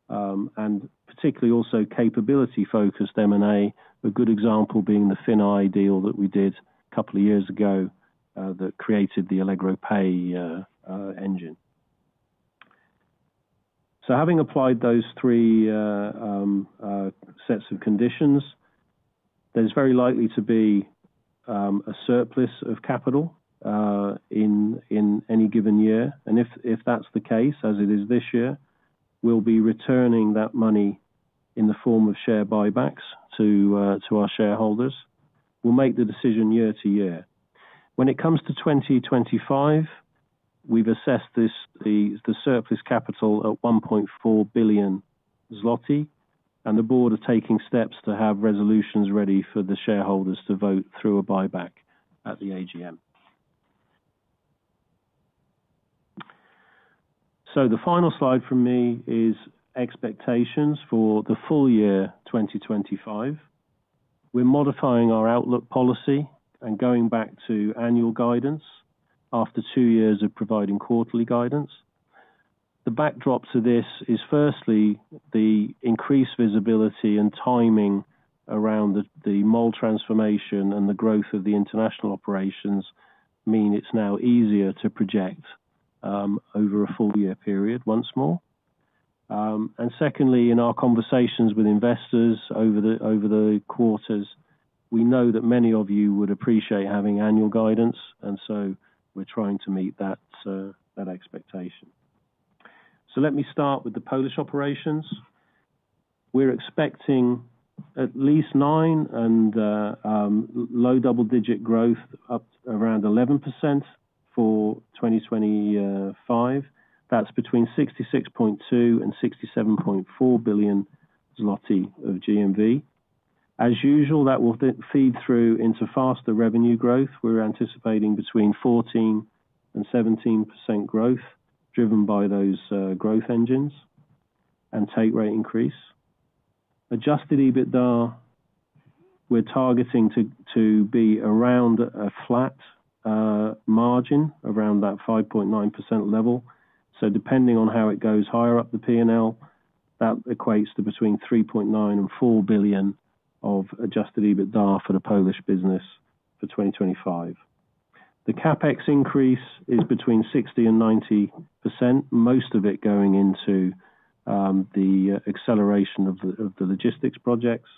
and particularly also capability-focused M&A, a good example being the FinAi deal that we did a couple of years ago that created the Allegro Pay engine. Having applied those three sets of conditions, there's very likely to be a surplus of capital in any given year. If that's the case, as it is this year, we'll be returning that money in the form of share buybacks to our shareholders. We'll make the decision year to year. When it comes to 2025, we have assessed the surplus capital at 1.4 billion zloty, and the board are taking steps to have resolutions ready for the shareholders to vote through a buyback at the AGM. The final slide from me is expectations for the full year 2025. We are modifying our outlook policy and going back to annual guidance after two years of providing quarterly guidance. The backdrop to this is, firstly, the increased visibility and timing around the Mall transformation and the growth of the international operations mean it is now easier to project over a full year period once more. Secondly, in our conversations with investors over the quarters, we know that many of you would appreciate having annual guidance, and we are trying to meet that expectation. Let me start with the Polish operations. We're expecting at least 9% and low double-digit growth, up around 11% for 2025. That's between 66.2 billion and 67.4 billion zloty of GMV. As usual, that will feed through into faster revenue growth. We're anticipating between 14% and 17% growth driven by those growth engines and take rate increase. Adjusted EBITDA, we're targeting to be around a flat margin, around that 5.9% level. Depending on how it goes higher up the P&L, that equates to between 3.9 billion and 4 billion of adjusted EBITDA for the Polish business for 2025. The CapEx increase is between 60% and 90%, most of it going into the acceleration of the logistics projects,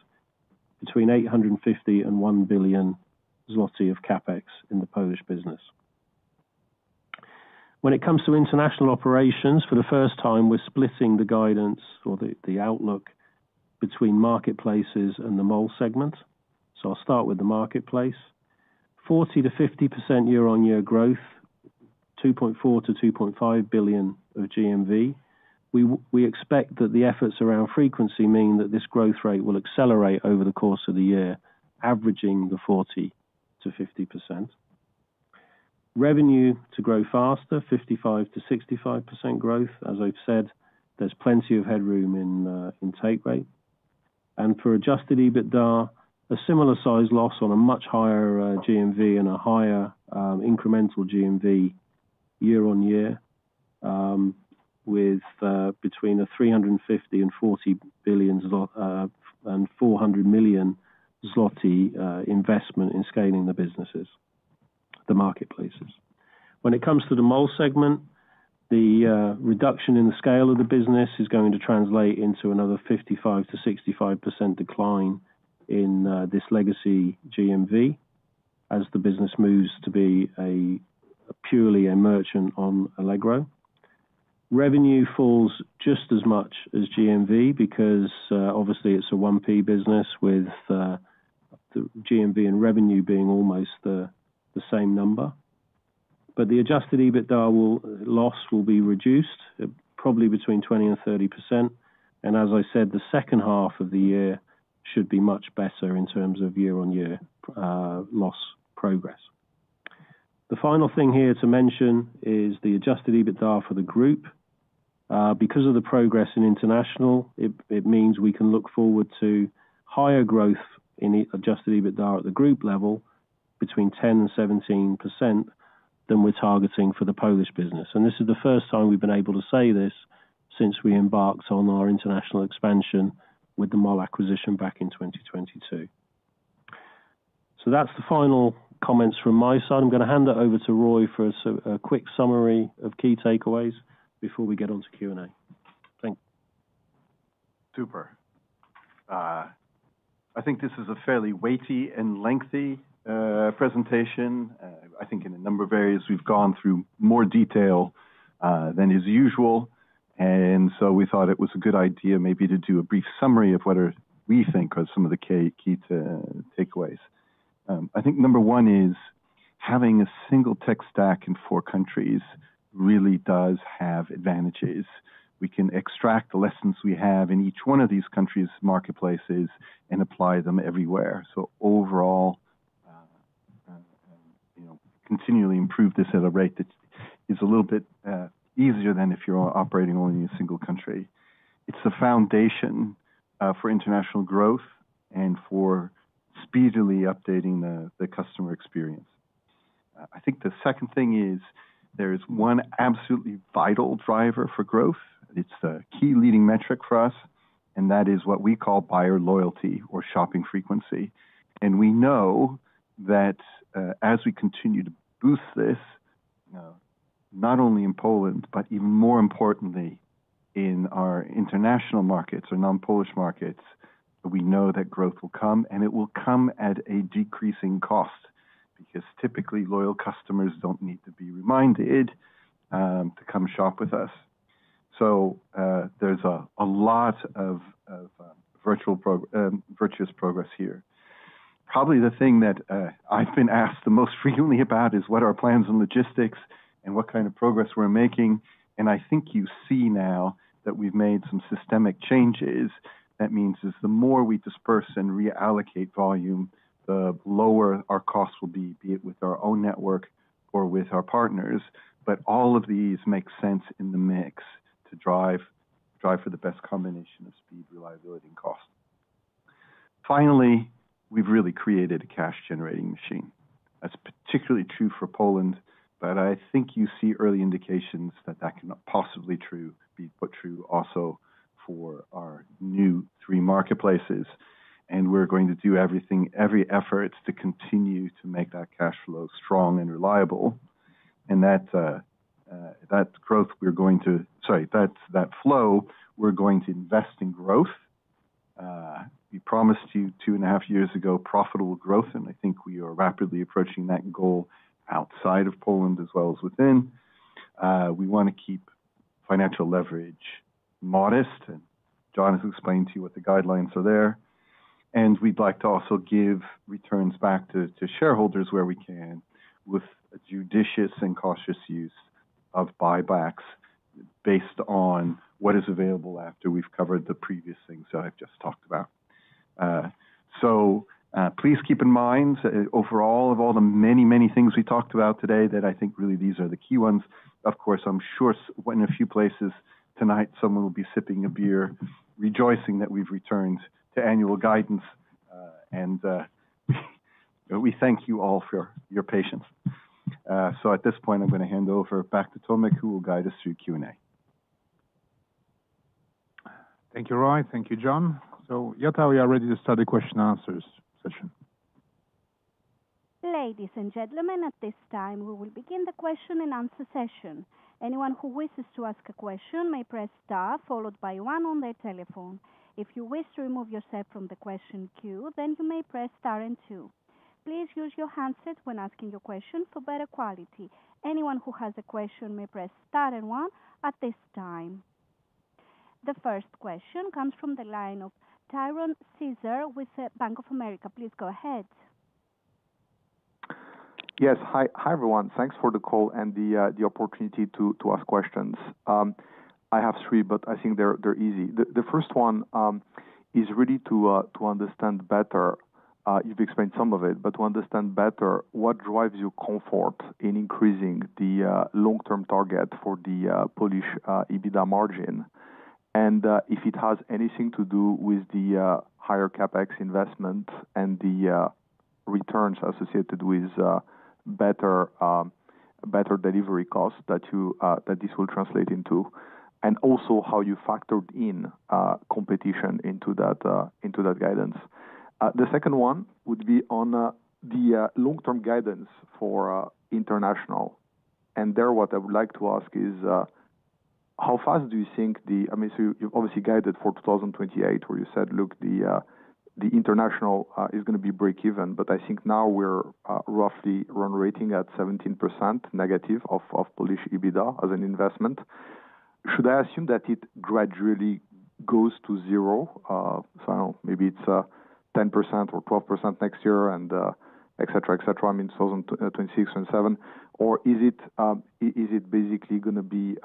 between 850 million and 1 billion zloty of CapEx in the Polish business. When it comes to international operations, for the first time, we're splitting the guidance or the outlook between marketplaces and the Mall segment. I'll start with the marketplace. 40%-50% year-on-year growth, 2.4 billion-2.5 billion of GMV. We expect that the efforts around frequency mean that this growth rate will accelerate over the course of the year, averaging the 40%-50%. Revenue to grow faster, 55%-65% growth. As I've said, there's plenty of headroom in take rate. For adjusted EBITDA, a similar size loss on a much higher GMV and a higher incremental GMV year-on-year with between 350 million zloty and 400 million zloty investment in scaling the businesses, the marketplaces. When it comes to the Mall segment, the reduction in the scale of the business is going to translate into another 55%-65% decline in this legacy GMV as the business moves to be purely a merchant on Allegro. Revenue falls just as much as GMV because obviously it's a 1p business with GMV and revenue being almost the same number. The adjusted EBITDA loss will be reduced, probably between 20%-30%. As I said, the second half of the year should be much better in terms of year-on-year loss progress. The final thing here to mention is the adjusted EBITDA for the group. Because of the progress in international, it means we can look forward to higher growth in adjusted EBITDA at the group level between 10%-17% than we're targeting for the Polish business. This is the first time we've been able to say this since we embarked on our international expansion with the Mall acquisition back in 2022. That's the final comments from my side. I'm going to hand it over to Roy for a quick summary of key takeaways before we get on to Q&A. Thank you. Super. I think this is a fairly weighty and lengthy presentation. I think in a number of areas, we've gone through more detail than is usual. We thought it was a good idea maybe to do a brief summary of what we think are some of the key takeaways. I think number one is having a single tech stack in four countries really does have advantages. We can extract the lessons we have in each one of these countries' marketplaces and apply them everywhere. Overall, continually improve this at a rate that is a little bit easier than if you're operating only in a single country. It's the foundation for international growth and for speedily updating the customer experience. I think the second thing is there is one absolutely vital driver for growth. It's the key leading metric for us, and that is what we call buyer loyalty or shopping frequency. We know that as we continue to boost this, not only in Poland, but even more importantly in our international markets or non-Polish markets, we know that growth will come, and it will come at a decreasing cost because typically loyal customers don't need to be reminded to come shop with us. There's a lot of virtuous progress here. Probably the thing that I've been asked the most frequently about is what are our plans in logistics and what kind of progress we're making. I think you see now that we've made some systemic changes. That means the more we disperse and reallocate volume, the lower our costs will be, be it with our own network or with our partners. All of these make sense in the mix to drive for the best combination of speed, reliability, and cost. Finally, we have really created a cash-generating machine. That is particularly true for Poland, but I think you see early indications that that can possibly be true also for our new three marketplaces. We are going to do everything, every effort to continue to make that cash flow strong and reliable. That flow, we are going to invest in growth. We promised you two and a half years ago profitable growth, and I think we are rapidly approaching that goal outside of Poland as well as within. We want to keep financial leverage modest, and John has explained to you what the guidelines are there. We would like to also give returns back to shareholders where we can with a judicious and cautious use of buybacks based on what is available after we have covered the previous things that I have just talked about. Please keep in mind, overall, of all the many, many things we talked about today, that I think really these are the key ones. Of course, I am sure in a few places tonight, someone will be sipping a beer, rejoicing that we have returned to annual guidance. We thank you all for your patience. At this point, I am going to hand over back to Tomasz, who will guide us through Q&A. Thank you, Roy. Thank you, John. Juton, we are ready to start the question and answers session. Ladies and gentlemen, at this time, we will begin the question and answer session. Anyone who wishes to ask a question may press star, followed by one on their telephone. If you wish to remove yourself from the question queue, then you may press star and two. Please use your handset when asking your question for better quality. Anyone who has a question may press star and one at this time. The first question comes from the line of Tiron Cesar with Bank of America. Please go ahead. Yes. Hi, everyone. Thanks for the call and the opportunity to ask questions. I have three, but I think they're easy. The first one is really to understand better, you've explained some of it, but to understand better what drives your comfort in increasing the long-term target for the Polish EBITDA margin and if it has anything to do with the higher CapEx investment and the returns associated with better delivery costs that this will translate into, and also how you factored in competition into that guidance. The second one would be on the long-term guidance for international. There what I would like to ask is how fast do you think the, I mean, so you've obviously guided for 2028 where you said, "Look, the international is going to be break even," but I think now we're roughly run rating at 17% negative of Polish EBITDA as an investment. Should I assume that it gradually goes to zero? I do not know, maybe it is 10% or 12% next year, etc., etc., I mean, 2026, 2027. Is it basically going to be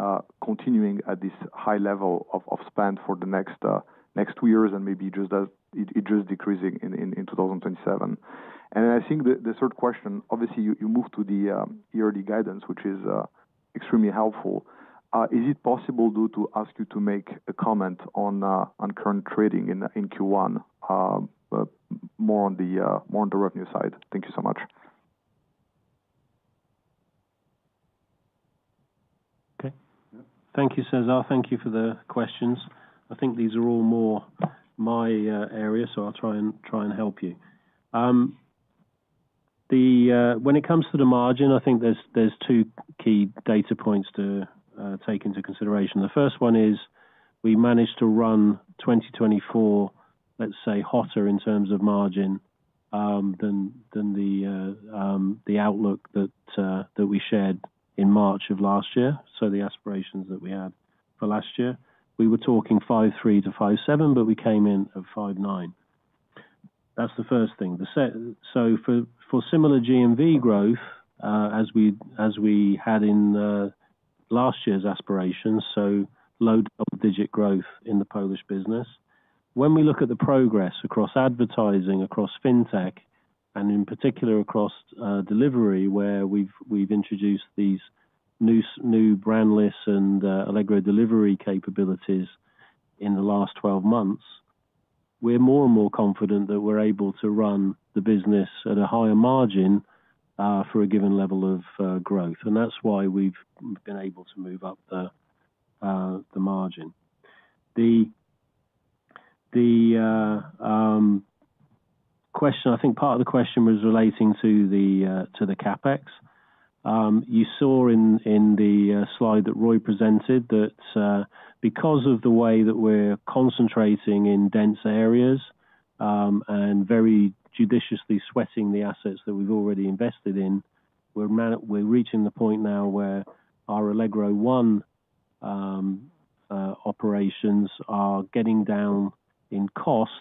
continuing at this high level of spend for the next two years and maybe just decreasing in 2027? I think the third question, obviously, you moved to the yearly guidance, which is extremely helpful. Is it possible, though, to ask you to make a comment on current trading in Q1, more on the revenue side? Thank you so much. Okay. Thank you, Caesar. Thank you for the questions. I think these are all more my area, so I'll try and help you. When it comes to the margin, I think there's two key data points to take into consideration. The first one is we managed to run 2024, let's say, hotter in terms of margin than the outlook that we shared in March of last year, so the aspirations that we had for last year. We were talking 5.3%-5.7%, but we came in at 5.9%. That's the first thing. For similar GMV growth, as we had in last year's aspirations, so low double-digit growth in the Polish business. When we look at the progress across advertising, across fintech, and in particular across delivery, where we've introduced these new Brandless and Allegro Delivery capabilities in the last 12 months, we're more and more confident that we're able to run the business at a higher margin for a given level of growth. That's why we've been able to move up the margin. The question, I think part of the question was relating to the CapEx. You saw in the slide that Roy presented that because of the way that we're concentrating in dense areas and very judiciously sweating the assets that we've already invested in, we're reaching the point now where our Allegro 1 operations are getting down in cost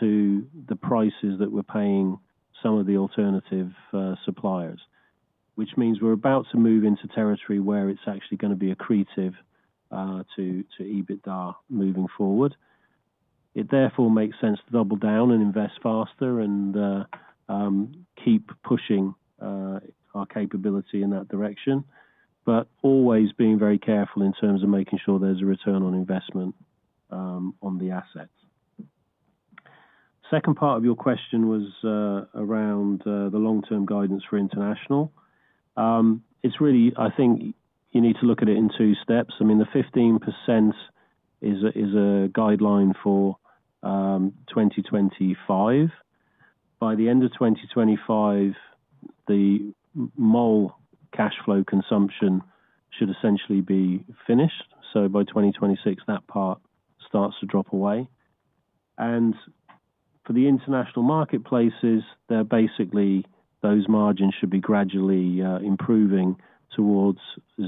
to the prices that we're paying some of the alternative suppliers, which means we're about to move into territory where it's actually going to be accretive to EBITDA moving forward. It therefore makes sense to double down and invest faster and keep pushing our capability in that direction, but always being very careful in terms of making sure there's a return on investment on the assets. The second part of your question was around the long-term guidance for international. It's really, I think you need to look at it in two steps. I mean, the 15% is a guideline for 2025. By the end of 2025, the Mall cash flow consumption should essentially be finished. By 2026, that part starts to drop away. For the international marketplaces, basically those margins should be gradually improving towards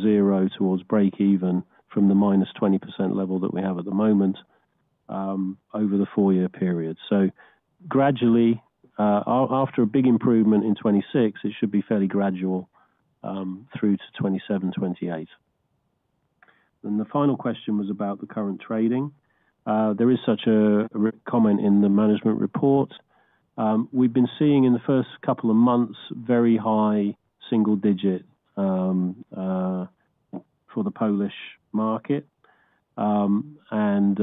zero, towards break even from the minus 20% level that we have at the moment over the four-year period. Gradually, after a big improvement in 2026, it should be fairly gradual through to 2027, 2028. The final question was about the current trading. There is such a comment in the management report. We have been seeing in the first couple of months very high single-digit for the Polish market and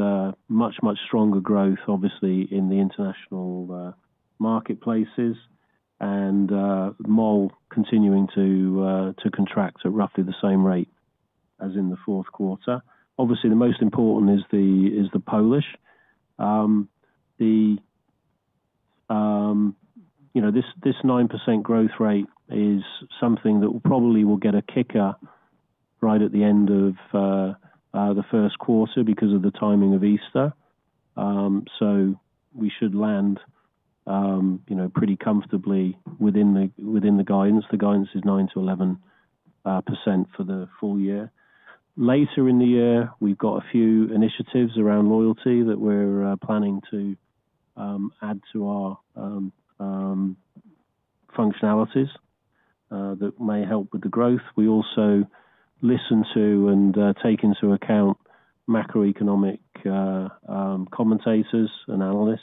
much, much stronger growth, obviously, in the international marketplaces and Mall continuing to contract at roughly the same rate as in the fourth quarter. Obviously, the most important is the Polish. This 9% growth rate is something that will probably get a kicker right at the end of the first quarter because of the timing of Easter. We should land pretty comfortably within the guidance. The guidance is 9%-11% for the full year. Later in the year, we've got a few initiatives around loyalty that we're planning to add to our functionalities that may help with the growth. We also listen to and take into account macroeconomic commentators and analysts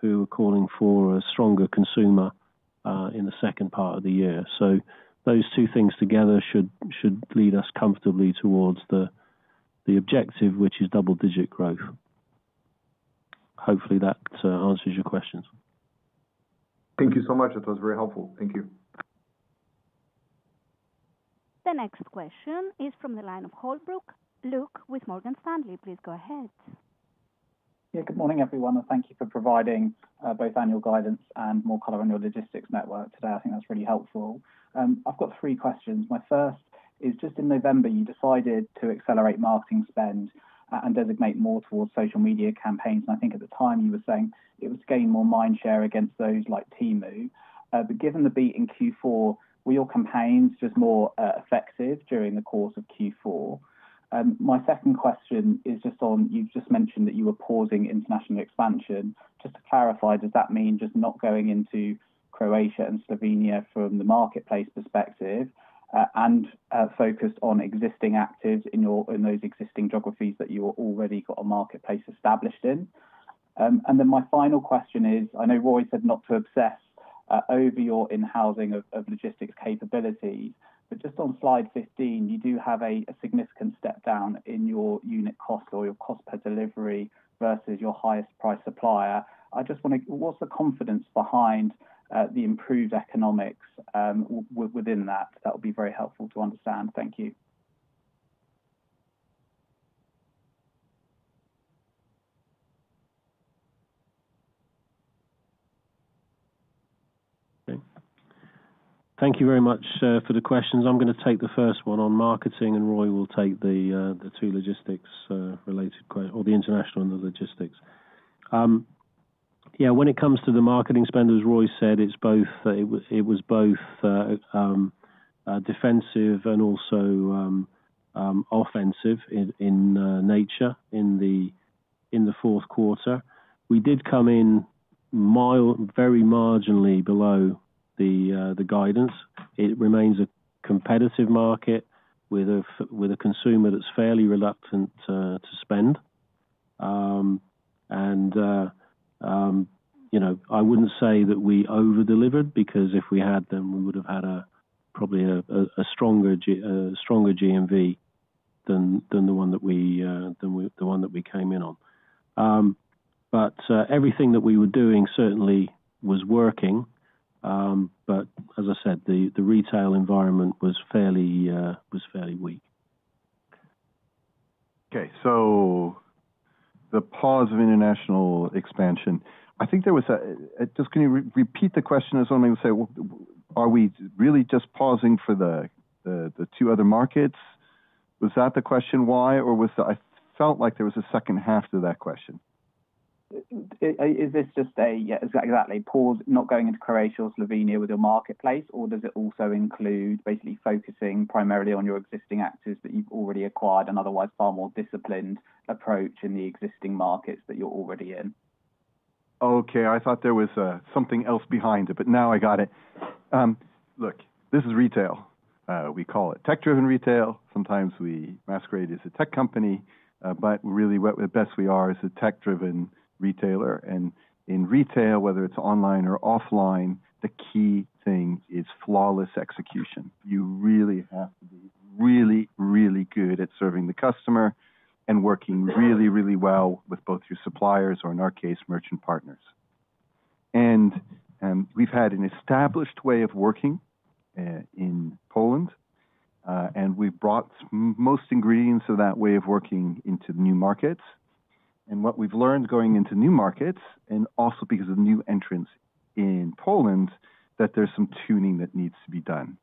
who are calling for a stronger consumer in the second part of the year. Those two things together should lead us comfortably towards the objective, which is double-digit growth. Hopefully, that answers your questions. Thank you so much. That was very helpful. Thank you. The next question is from the line of Luke Holbrook with Morgan Stanley. Please go ahead. Yeah, good morning, everyone. Thank you for providing both annual guidance and more color on your logistics network today. I think that's really helpful. I've got three questions. My first is just in November, you decided to accelerate marketing spend and designate more towards social media campaigns. I think at the time you were saying it was to gain more mind share against those like Temu. Given the beat in Q4, were your campaigns just more effective during the course of Q4? My second question is just on you've just mentioned that you were pausing international expansion. Just to clarify, does that mean just not going into Croatia and Slovenia from the marketplace perspective and focused on existing actives in those existing geographies that you already got a marketplace established in? My final question is, I know Roy said not to obsess over your in-housing of logistics capabilities, but just on slide 15, you do have a significant step down in your unit cost or your cost per delivery versus your highest-priced supplier. I just want to, what's the confidence behind the improved economics within that? That would be very helpful to understand. Thank you. Thank you very much for the questions. I'm going to take the first one on marketing, and Roy will take the two logistics-related questions or the international and the logistics. Yeah, when it comes to the marketing spend, as Roy said, it was both defensive and also offensive in nature in the fourth quarter. We did come in very marginally below the guidance. It remains a competitive market with a consumer that's fairly reluctant to spend. I wouldn't say that we over-delivered because if we had, then we would have had probably a stronger GMV than the one that we came in on. Everything that we were doing certainly was working. As I said, the retail environment was fairly weak. Okay. The pause of international expansion, I think there was a just can you repeat the question? There's something to say, are we really just pausing for the two other markets? Was that the question why, or was there I felt like there was a second half to that question. Is this just a, yeah, exactly, pause, not going into Croatia or Slovenia with your marketplace, or does it also include basically focusing primarily on your existing actors that you've already acquired, and otherwise far more disciplined approach in the existing markets that you're already in? Okay. I thought there was something else behind it, but now I got it. Look, this is retail. We call it tech-driven retail. Sometimes we masquerade as a tech company, but really what best we are is a tech-driven retailer. In retail, whether it's online or offline, the key thing is flawless execution. You really have to be really, really good at serving the customer and working really, really well with both your suppliers or, in our case, merchant partners. We've had an established way of working in Poland, and we've brought most ingredients of that way of working into new markets. What we've learned going into new markets, and also because of new entrants in Poland, is that there's some tuning that needs to be done.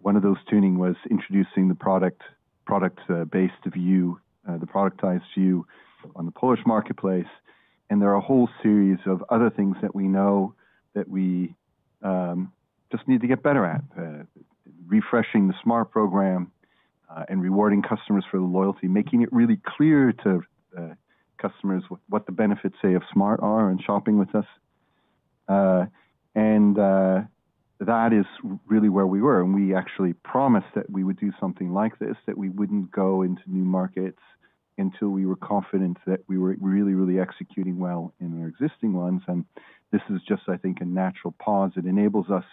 One of those tuning was introducing the product-based view, the productized view on the Polish marketplace. There are a whole series of other things that we know that we just need to get better at: refreshing the Smart program and rewarding customers for the loyalty, making it really clear to customers what the benefits of Smart are and shopping with us. That is really where we were. We actually promised that we would do something like this, that we would not go into new markets until we were confident that we were really, really executing well in our existing ones. This is just, I think, a natural pause. It enables us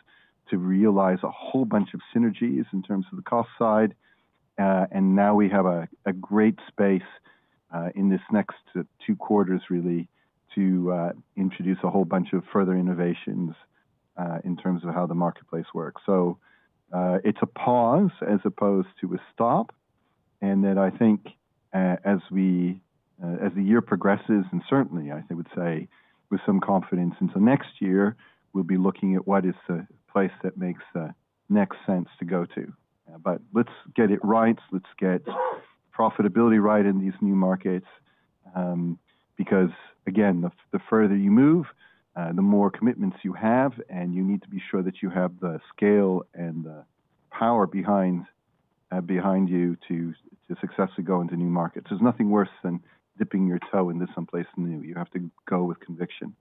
to realize a whole bunch of synergies in terms of the cost side. Now we have a great space in this next two quarters, really, to introduce a whole bunch of further innovations in terms of how the marketplace works. It is a pause as opposed to a stop. I think as the year progresses, and certainly, I would say with some confidence into next year, we'll be looking at what is the place that makes next sense to go to. Let's get it right. Let's get profitability right in these new markets because, again, the further you move, the more commitments you have, and you need to be sure that you have the scale and the power behind you to successfully go into new markets. There is nothing worse than dipping your toe into someplace new. You have to go with conviction.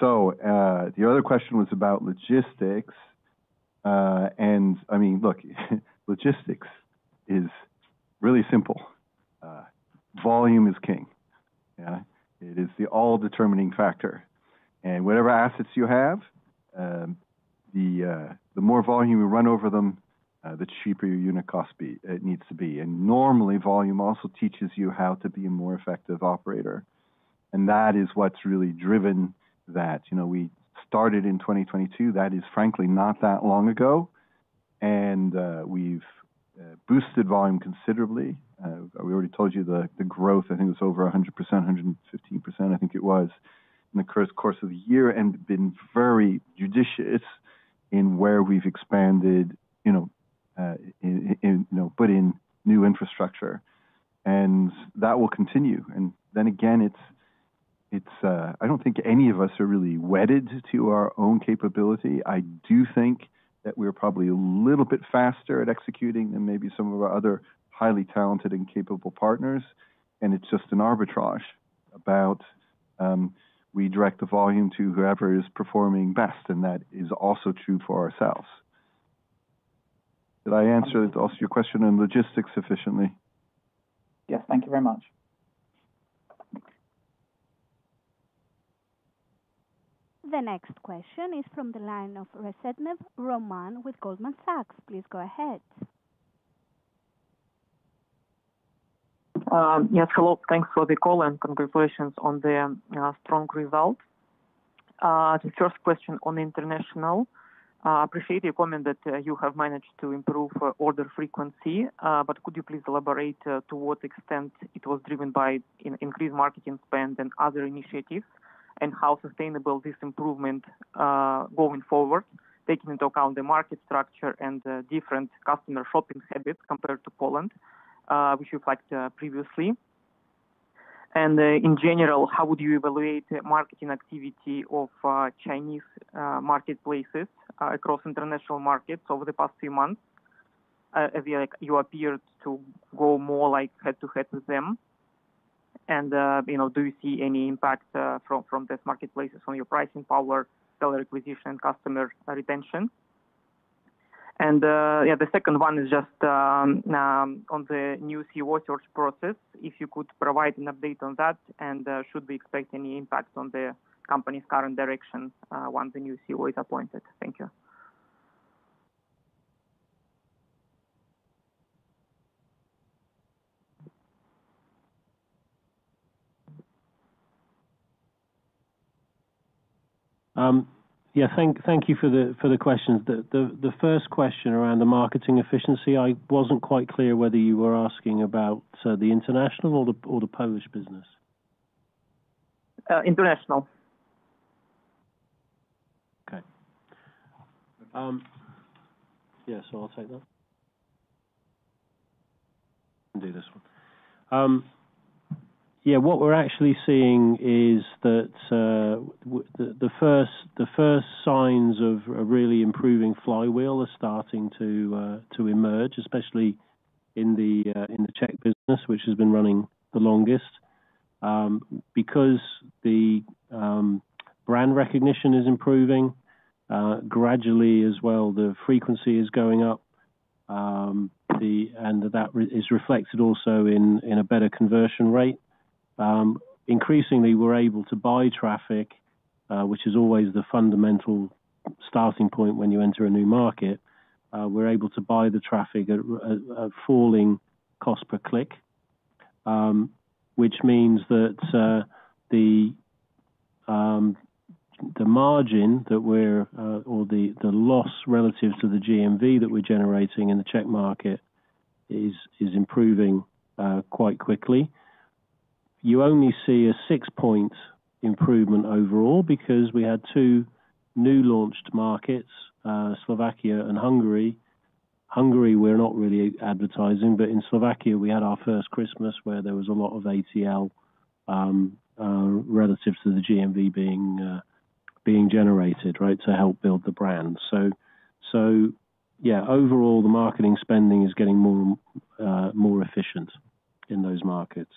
The other question was about logistics. I mean, look, logistics is really simple. Volume is king. It is the all-determining factor. Whatever assets you have, the more volume you run over them, the cheaper your unit cost needs to be. Normally, volume also teaches you how to be a more effective operator. That is what has really driven that. We started in 2022. That is, frankly, not that long ago. We have boosted volume considerably. We already told you the growth, I think it was over 100%, 115%, I think it was in the course of the year and been very judicious in where we have expanded, but in new infrastructure. That will continue. I do not think any of us are really wedded to our own capability. I do think that we are probably a little bit faster at executing than maybe some of our other highly talented and capable partners. It is just an arbitrage about we direct the volume to whoever is performing best. That is also true for ourselves. Did I answer also your question on logistics sufficiently? Yes, thank you very much. The next question is from the line of Reshetnev Roman with Goldman Sachs. Please go ahead. Yes, hello. Thanks for the call and congratulations on the strong result. The first question on the international, I appreciate your comment that you have managed to improve order frequency, but could you please elaborate to what extent it was driven by increased marketing spend and other initiatives and how sustainable this improvement going forward, taking into account the market structure and different customer shopping habits compared to Poland, which you flagged previously? In general, how would you evaluate the marketing activity of Chinese marketplaces across international markets over the past few months? You appeared to go more like head-to-head with them. Do you see any impact from these marketplaces on your pricing power, seller acquisition, and customer retention? The second one is just on the new CEO search process. If you could provide an update on that and should we expect any impact on the company's current direction once the new CEO is appointed? Thank you. Yeah, thank you for the questions. The first question around the marketing efficiency, I wasn't quite clear whether you were asking about the international or the Polish business. International. Okay. Yeah, so I'll take that. I'll do this one. Yeah, what we're actually seeing is that the first signs of a really improving flywheel are starting to emerge, especially in the Czech business, which has been running the longest. Because the brand recognition is improving gradually as well, the frequency is going up, and that is reflected also in a better conversion rate. Increasingly, we're able to buy traffic, which is always the fundamental starting point when you enter a new market. We're able to buy the traffic at a falling cost per click, which means that the margin that we're or the loss relative to the GMV that we're generating in the Czech market is improving quite quickly. You only see a six-point improvement overall because we had two new launched markets, Slovakia and Hungary. Hungary, we're not really advertising, but in Slovakia, we had our first Christmas where there was a lot of ATL relative to the GMV being generated, right, to help build the brand. Overall, the marketing spending is getting more efficient in those markets.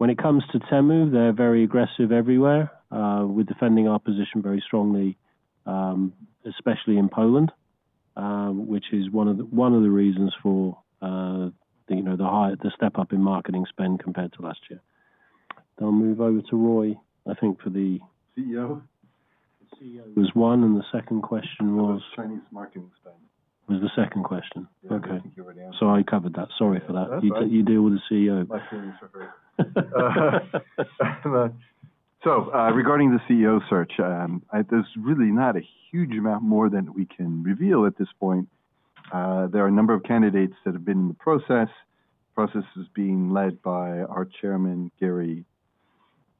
When it comes to Temu, they're very aggressive everywhere, with defending our position very strongly, especially in Poland, which is one of the reasons for the step up in marketing spend compared to last year. I'll move over to Roy, I think, for the CEO. The CEO. Was one, and the second question was. Was Chinese marketing spend. Was the second question? Yeah, I think you already answered. I covered that. Sorry for that. Oh, okay. You deal with the CEO. My feelings for her. Regarding the CEO search, there's really not a huge amount more that we can reveal at this point. There are a number of candidates that have been in the process. The process is being led by our Chairman, Gary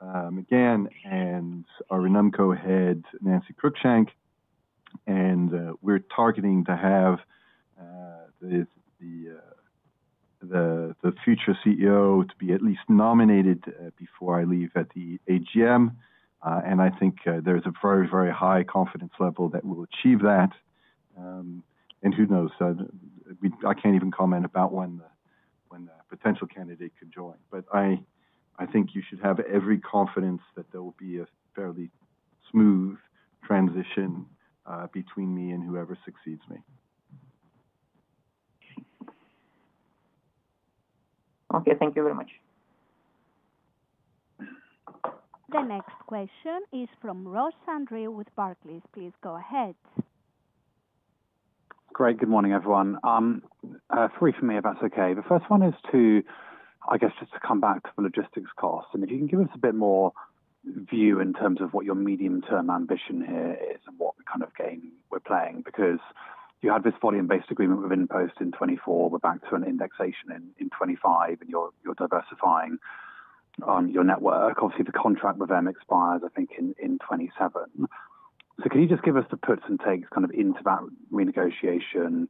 McGann, and our head of recruitment, Nancy Cruickshank. We're targeting to have the future CEO to be at least nominated before I leave at the AGM. I think there's a very, very high confidence level that we'll achieve that. Who knows? I can't even comment about when the potential candidate could join. I think you should have every confidence that there will be a fairly smooth transition between me and whoever succeeds me. Okay. Thank you very much. The next question is from Ross André with Barclays. Please go ahead. Great. Good morning, everyone. Three for me, if that's okay. The first one is to, I guess, just to come back to the logistics cost. If you can give us a bit more view in terms of what your medium-term ambition here is and what kind of game we're playing because you had this volume-based agreement with InPost in 2024. We're back to an indexation in 2025, and you're diversifying your network. Obviously, the contract with them expires, I think, in 2027. Can you just give us the puts and takes kind of into that renegotiation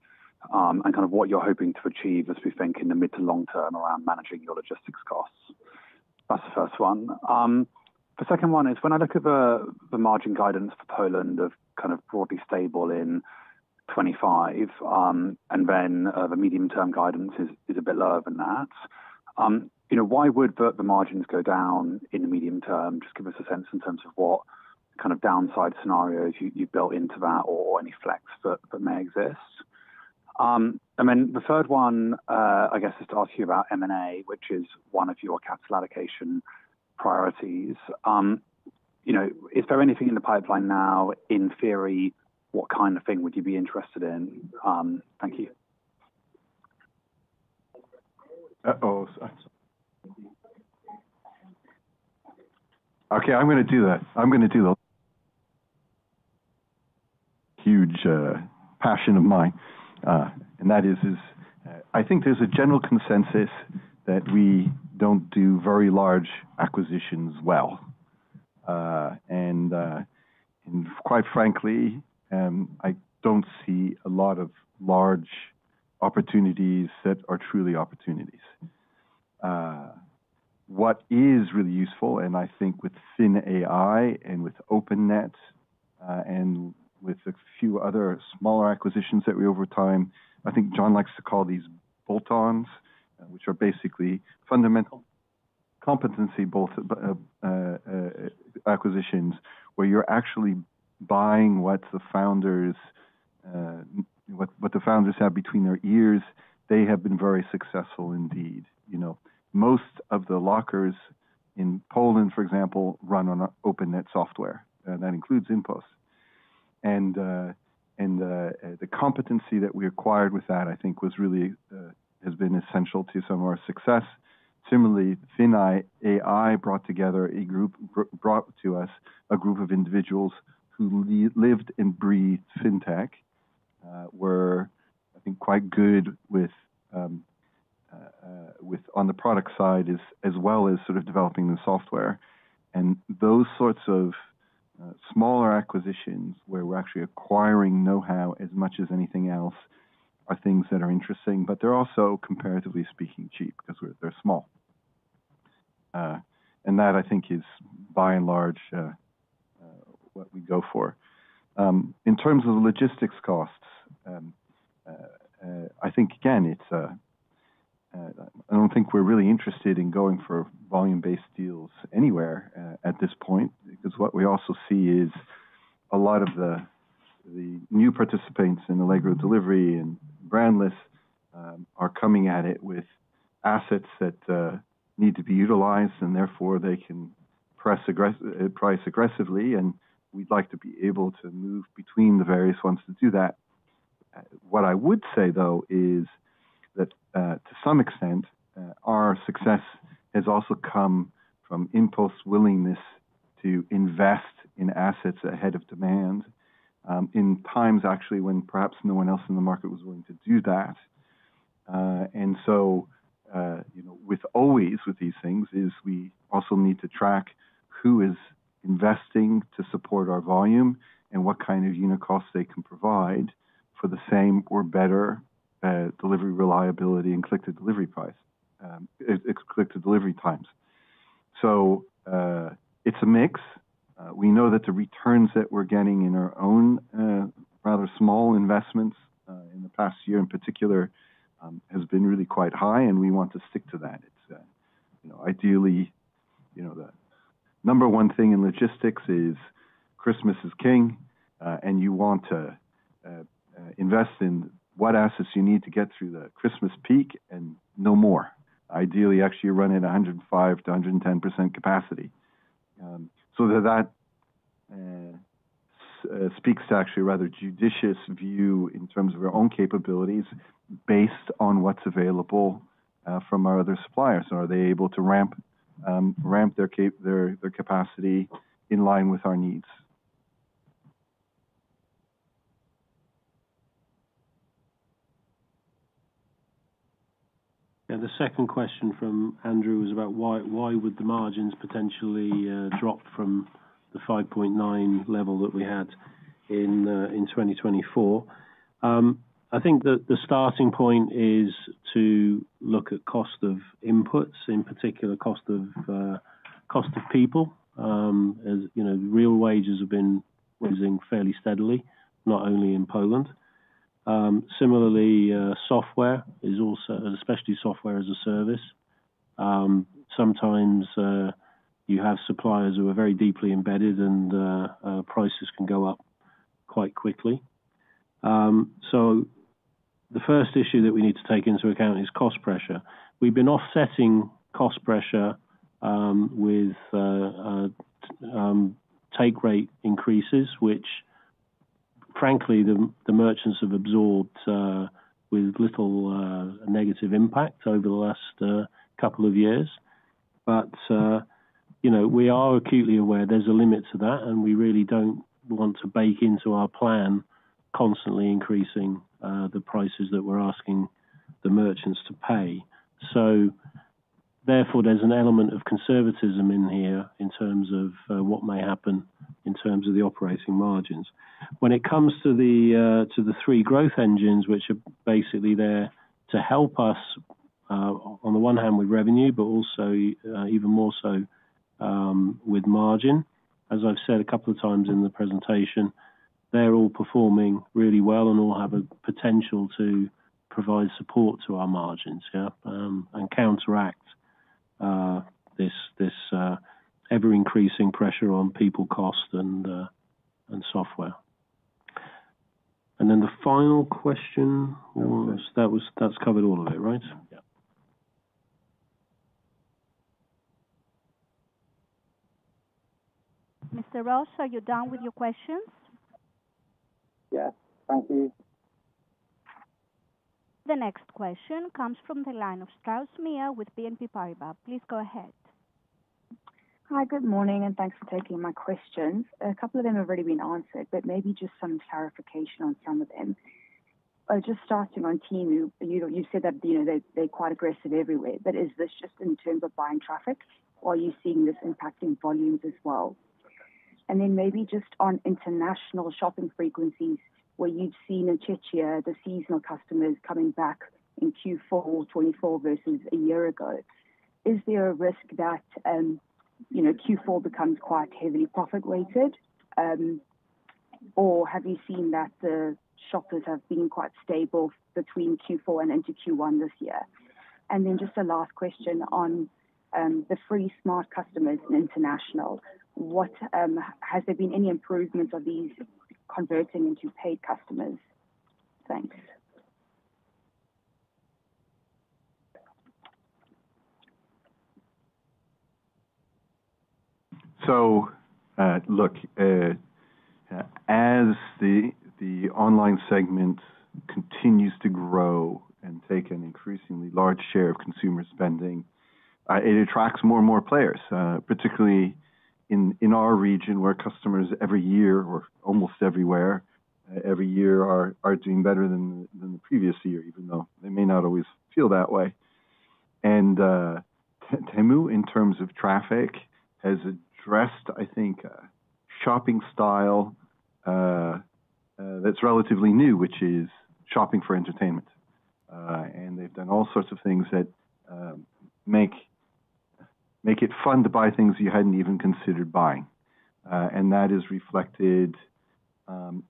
and kind of what you're hoping to achieve as we think in the mid to long term around managing your logistics costs? That's the first one. The second one is when I look at the margin guidance for Poland of kind of broadly stable in 2025, and then the medium-term guidance is a bit lower than that, why would the margins go down in the medium term? Just give us a sense in terms of what kind of downside scenarios you've built into that or any flex that may exist. The third one, I guess, is to ask you about M&A, which is one of your capital allocation priorities. Is there anything in the pipeline now? In theory, what kind of thing would you be interested in? Thank you. Sorry. Okay. I'm going to do that. I'm going to do the huge passion of mine. That is, I think there's a general consensus that we don't do very large acquisitions well. Quite frankly, I don't see a lot of large opportunities that are truly opportunities. What is really useful, and I think with FinAi and with OpenNet and with a few other smaller acquisitions that we over time, I think John likes to call these bolt-ons, which are basically fundamental competency acquisitions where you're actually buying what the founders have between their ears. They have been very successful indeed. Most of the lockers in Poland, for example, run on OpenNet software. That includes InPost. The competency that we acquired with that, I think, has been essential to some of our success. Similarly, FinAi brought together a group, brought to us a group of individuals who lived and breathed fintech, were, I think, quite good on the product side as well as sort of developing the software. Those sorts of smaller acquisitions where we're actually acquiring know-how as much as anything else are things that are interesting, but they're also, comparatively speaking, cheap because they're small. That, I think, is by and large what we go for. In terms of the logistics costs, I think, again, I don't think we're really interested in going for volume-based deals anywhere at this point because what we also see is a lot of the new participants in Allegro Delivery and Brandless are coming at it with assets that need to be utilized, and therefore, they can price aggressively. We'd like to be able to move between the various ones to do that. What I would say, though, is that to some extent, our success has also come from InPost's willingness to invest in assets ahead of demand in times, actually, when perhaps no one else in the market was willing to do that. Always with these things is we also need to track who is investing to support our volume and what kind of unit costs they can provide for the same or better delivery reliability and click-to-delivery times. It is a mix. We know that the returns that we're getting in our own rather small investments in the past year, in particular, have been really quite high, and we want to stick to that. Ideally, the number one thing in logistics is Christmas is king, and you want to invest in what assets you need to get through the Christmas peak and no more. Ideally, actually, you're running 105%-110% capacity. That speaks to actually a rather judicious view in terms of our own capabilities based on what's available from our other suppliers. Are they able to ramp their capacity in line with our needs? Yeah, the second question from Andrew was about why would the margins potentially drop from the 5.9 level that we had in 2024. I think the starting point is to look at cost of inputs, in particular, cost of people. Real wages have been rising fairly steadily, not only in Poland. Similarly, software is also, especially software as a service. Sometimes you have suppliers who are very deeply embedded, and prices can go up quite quickly. The first issue that we need to take into account is cost pressure. We've been offsetting cost pressure with take rate increases, which, frankly, the merchants have absorbed with little negative impact over the last couple of years. We are acutely aware there's a limit to that, and we really don't want to bake into our plan constantly increasing the prices that we're asking the merchants to pay. Therefore, there's an element of conservatism in here in terms of what may happen in terms of the operating margins. When it comes to the three growth engines, which are basically there to help us on the one hand with revenue, but also even more so with margin, as I've said a couple of times in the presentation, they're all performing really well and all have a potential to provide support to our margins, yeah, and counteract this ever-increasing pressure on people, cost, and software. And then the final question, that's covered all of it, right? Yeah. Mr. Ross, are you done with your questions? Yes. Thank you. The next question comes from the line of Strauss Mia with BNP Paribas. Please go ahead. Hi, good morning, and thanks for taking my questions. A couple of them have already been answered, but maybe just some clarification on some of them. Just starting on Temu, you said that they're quite aggressive everywhere. Is this just in terms of buying traffic, or are you seeing this impacting volumes as well? Maybe just on international shopping frequencies, where you've seen in Czechia the seasonal customers coming back in Q4 2024 versus a year ago, is there a risk that Q4 becomes quite heavily profit-weighted, or have you seen that the shoppers have been quite stable between Q4 and into Q1 this year? Just a last question on the free Smart customers in international. Has there been any improvements of these converting into paid customers? Thanks. As the online segment continues to grow and take an increasingly large share of consumer spending, it attracts more and more players, particularly in our region where customers every year or almost everywhere every year are doing better than the previous year, even though they may not always feel that way. Temu, in terms of traffic, has addressed, I think, a shopping style that's relatively new, which is shopping for entertainment. They've done all sorts of things that make it fun to buy things you hadn't even considered buying. That is reflected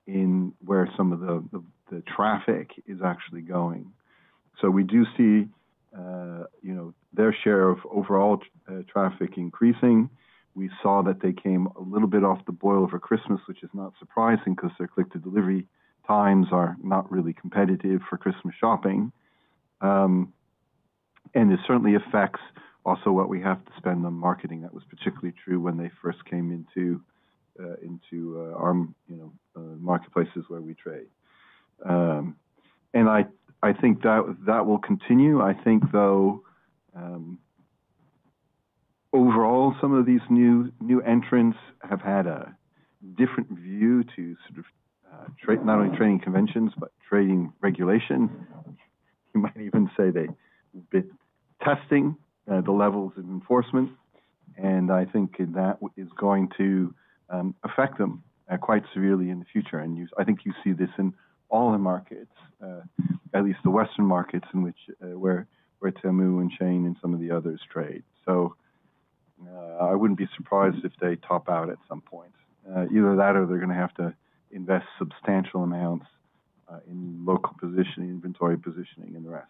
in where some of the traffic is actually going. We do see their share of overall traffic increasing. We saw that they came a little bit off the boil for Christmas, which is not surprising because their click-to-delivery times are not really competitive for Christmas shopping. It certainly affects also what we have to spend on marketing. That was particularly true when they first came into our marketplaces where we trade. I think that will continue. I think, though, overall, some of these new entrants have had a different view to sort of not only trading conventions, but trading regulation. You might even say they've been testing the levels of enforcement. I think that is going to affect them quite severely in the future. I think you see this in all the markets, at least the Western markets where Temu and Shein and some of the others trade. I would not be surprised if they top out at some point. Either that or they're going to have to invest substantial amounts in local positioning, inventory positioning, and the rest.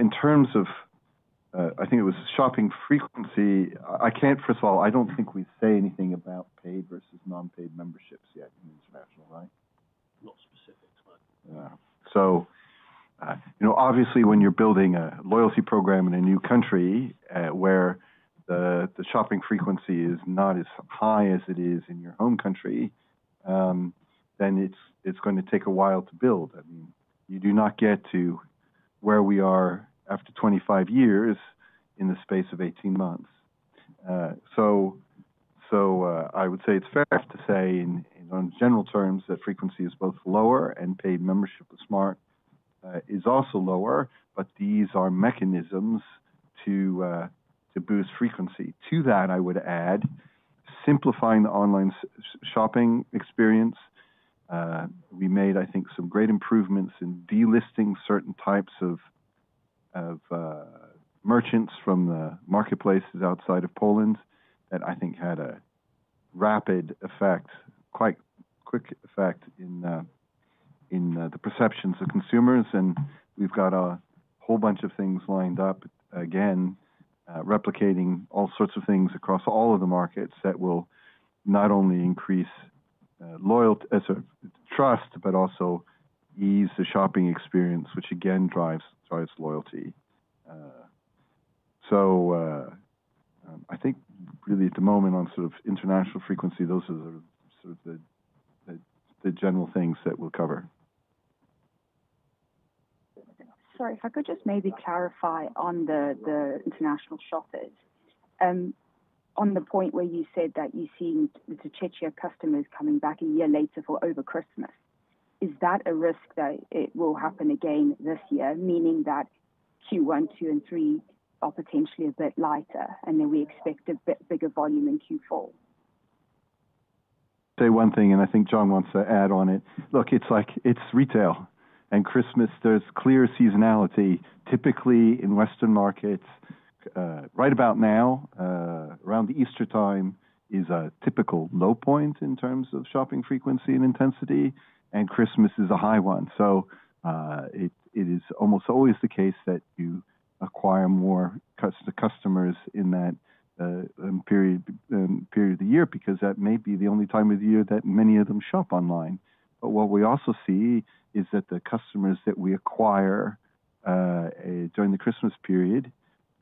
In terms of, I think it was shopping frequency, I can't, first of all, I don't think we say anything about paid versus non-paid memberships yet in international, right? Not specific, but. Yeah. Obviously, when you're building a loyalty program in a new country where the shopping frequency is not as high as it is in your home country, then it's going to take a while to build. I mean, you do not get to where we are after 25 years in the space of 18 months. I would say it's fair to say in general terms that frequency is both lower and paid membership with Smart is also lower, but these are mechanisms to boost frequency. To that, I would add simplifying the online shopping experience. We made, I think, some great improvements in delisting certain types of merchants from the marketplaces outside of Poland that I think had a rapid effect, quite quick effect in the perceptions of consumers. We have a whole bunch of things lined up again, replicating all sorts of things across all of the markets that will not only increase trust, but also ease the shopping experience, which again drives loyalty. I think really at the moment on sort of international frequency, those are sort of the general things that we'll cover. Sorry, if I could just maybe clarify on the international shoppers. On the point where you said that you're seeing the Czechia customers coming back a year later for over Christmas, is that a risk that it will happen again this year, meaning that Q1, Q2, and Q3 are potentially a bit lighter, and then we expect a bit bigger volume in Q4? Say one thing, and I think John wants to add on it. Look, it's retail. Christmas, there's clear seasonality. Typically, in Western markets, right about now, around Easter time is a typical low point in terms of shopping frequency and intensity, and Christmas is a high one. It is almost always the case that you acquire more customers in that period of the year because that may be the only time of the year that many of them shop online. What we also see is that the customers that we acquire during the Christmas period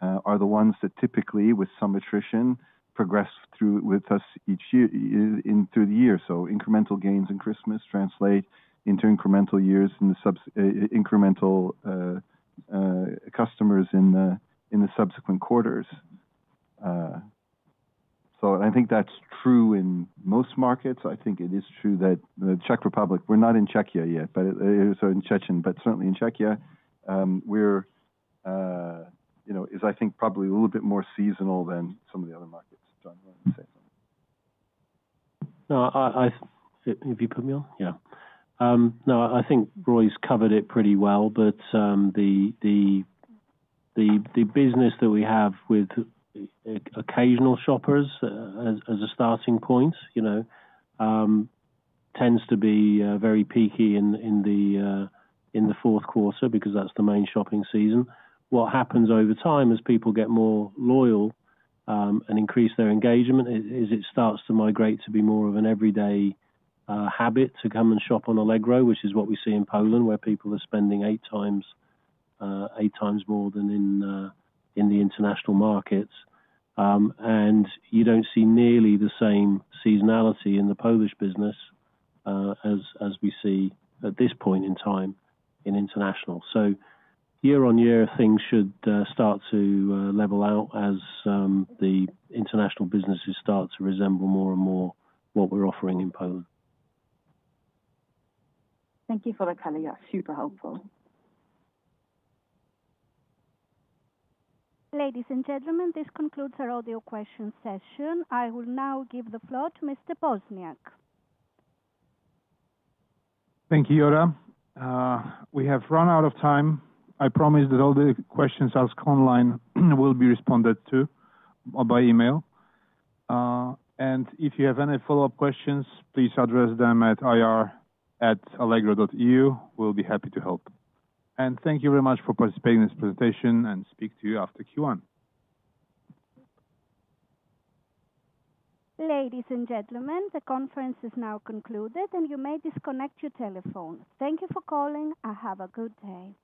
are the ones that typically, with some attrition, progress through with us each year through the year. Incremental gains in Christmas translate into incremental years in the incremental customers in the subsequent quarters. I think that's true in most markets. I think it is true that the Czech Republic, we're not in Czechia yet, but it is in Czechia, but certainly in Czechia, is I think probably a little bit more seasonal than some of the other markets. John, you want to say something? No, if you put me on, yeah. No, I think Roy's covered it pretty well, but the business that we have with occasional shoppers as a starting point tends to be very peaky in the fourth quarter because that's the main shopping season. What happens over time as people get more loyal and increase their engagement is it starts to migrate to be more of an everyday habit to come and shop on Allegro, which is what we see in Poland, where people are spending eight times more than in the international markets. You don't see nearly the same seasonality in the Polish business as we see at this point in time in international. Year on year, things should start to level out as the international businesses start to resemble more and more what we're offering in Poland. Thank you for answering. Super helpful. Ladies and gentlemen, this concludes our audio question session. I will now give the floor to Mr. Poźniak. Thank you, Juton. We have run out of time. I promise that all the questions asked online will be responded to by email. If you have any follow-up questions, please address them at ir@allegro.eu. We will be happy to help. Thank you very much for participating in this presentation, and speak to you after Q1. Ladies and gentlemen, the conference is now concluded, and you may disconnect your telephone. Thank you for calling. Have a good day.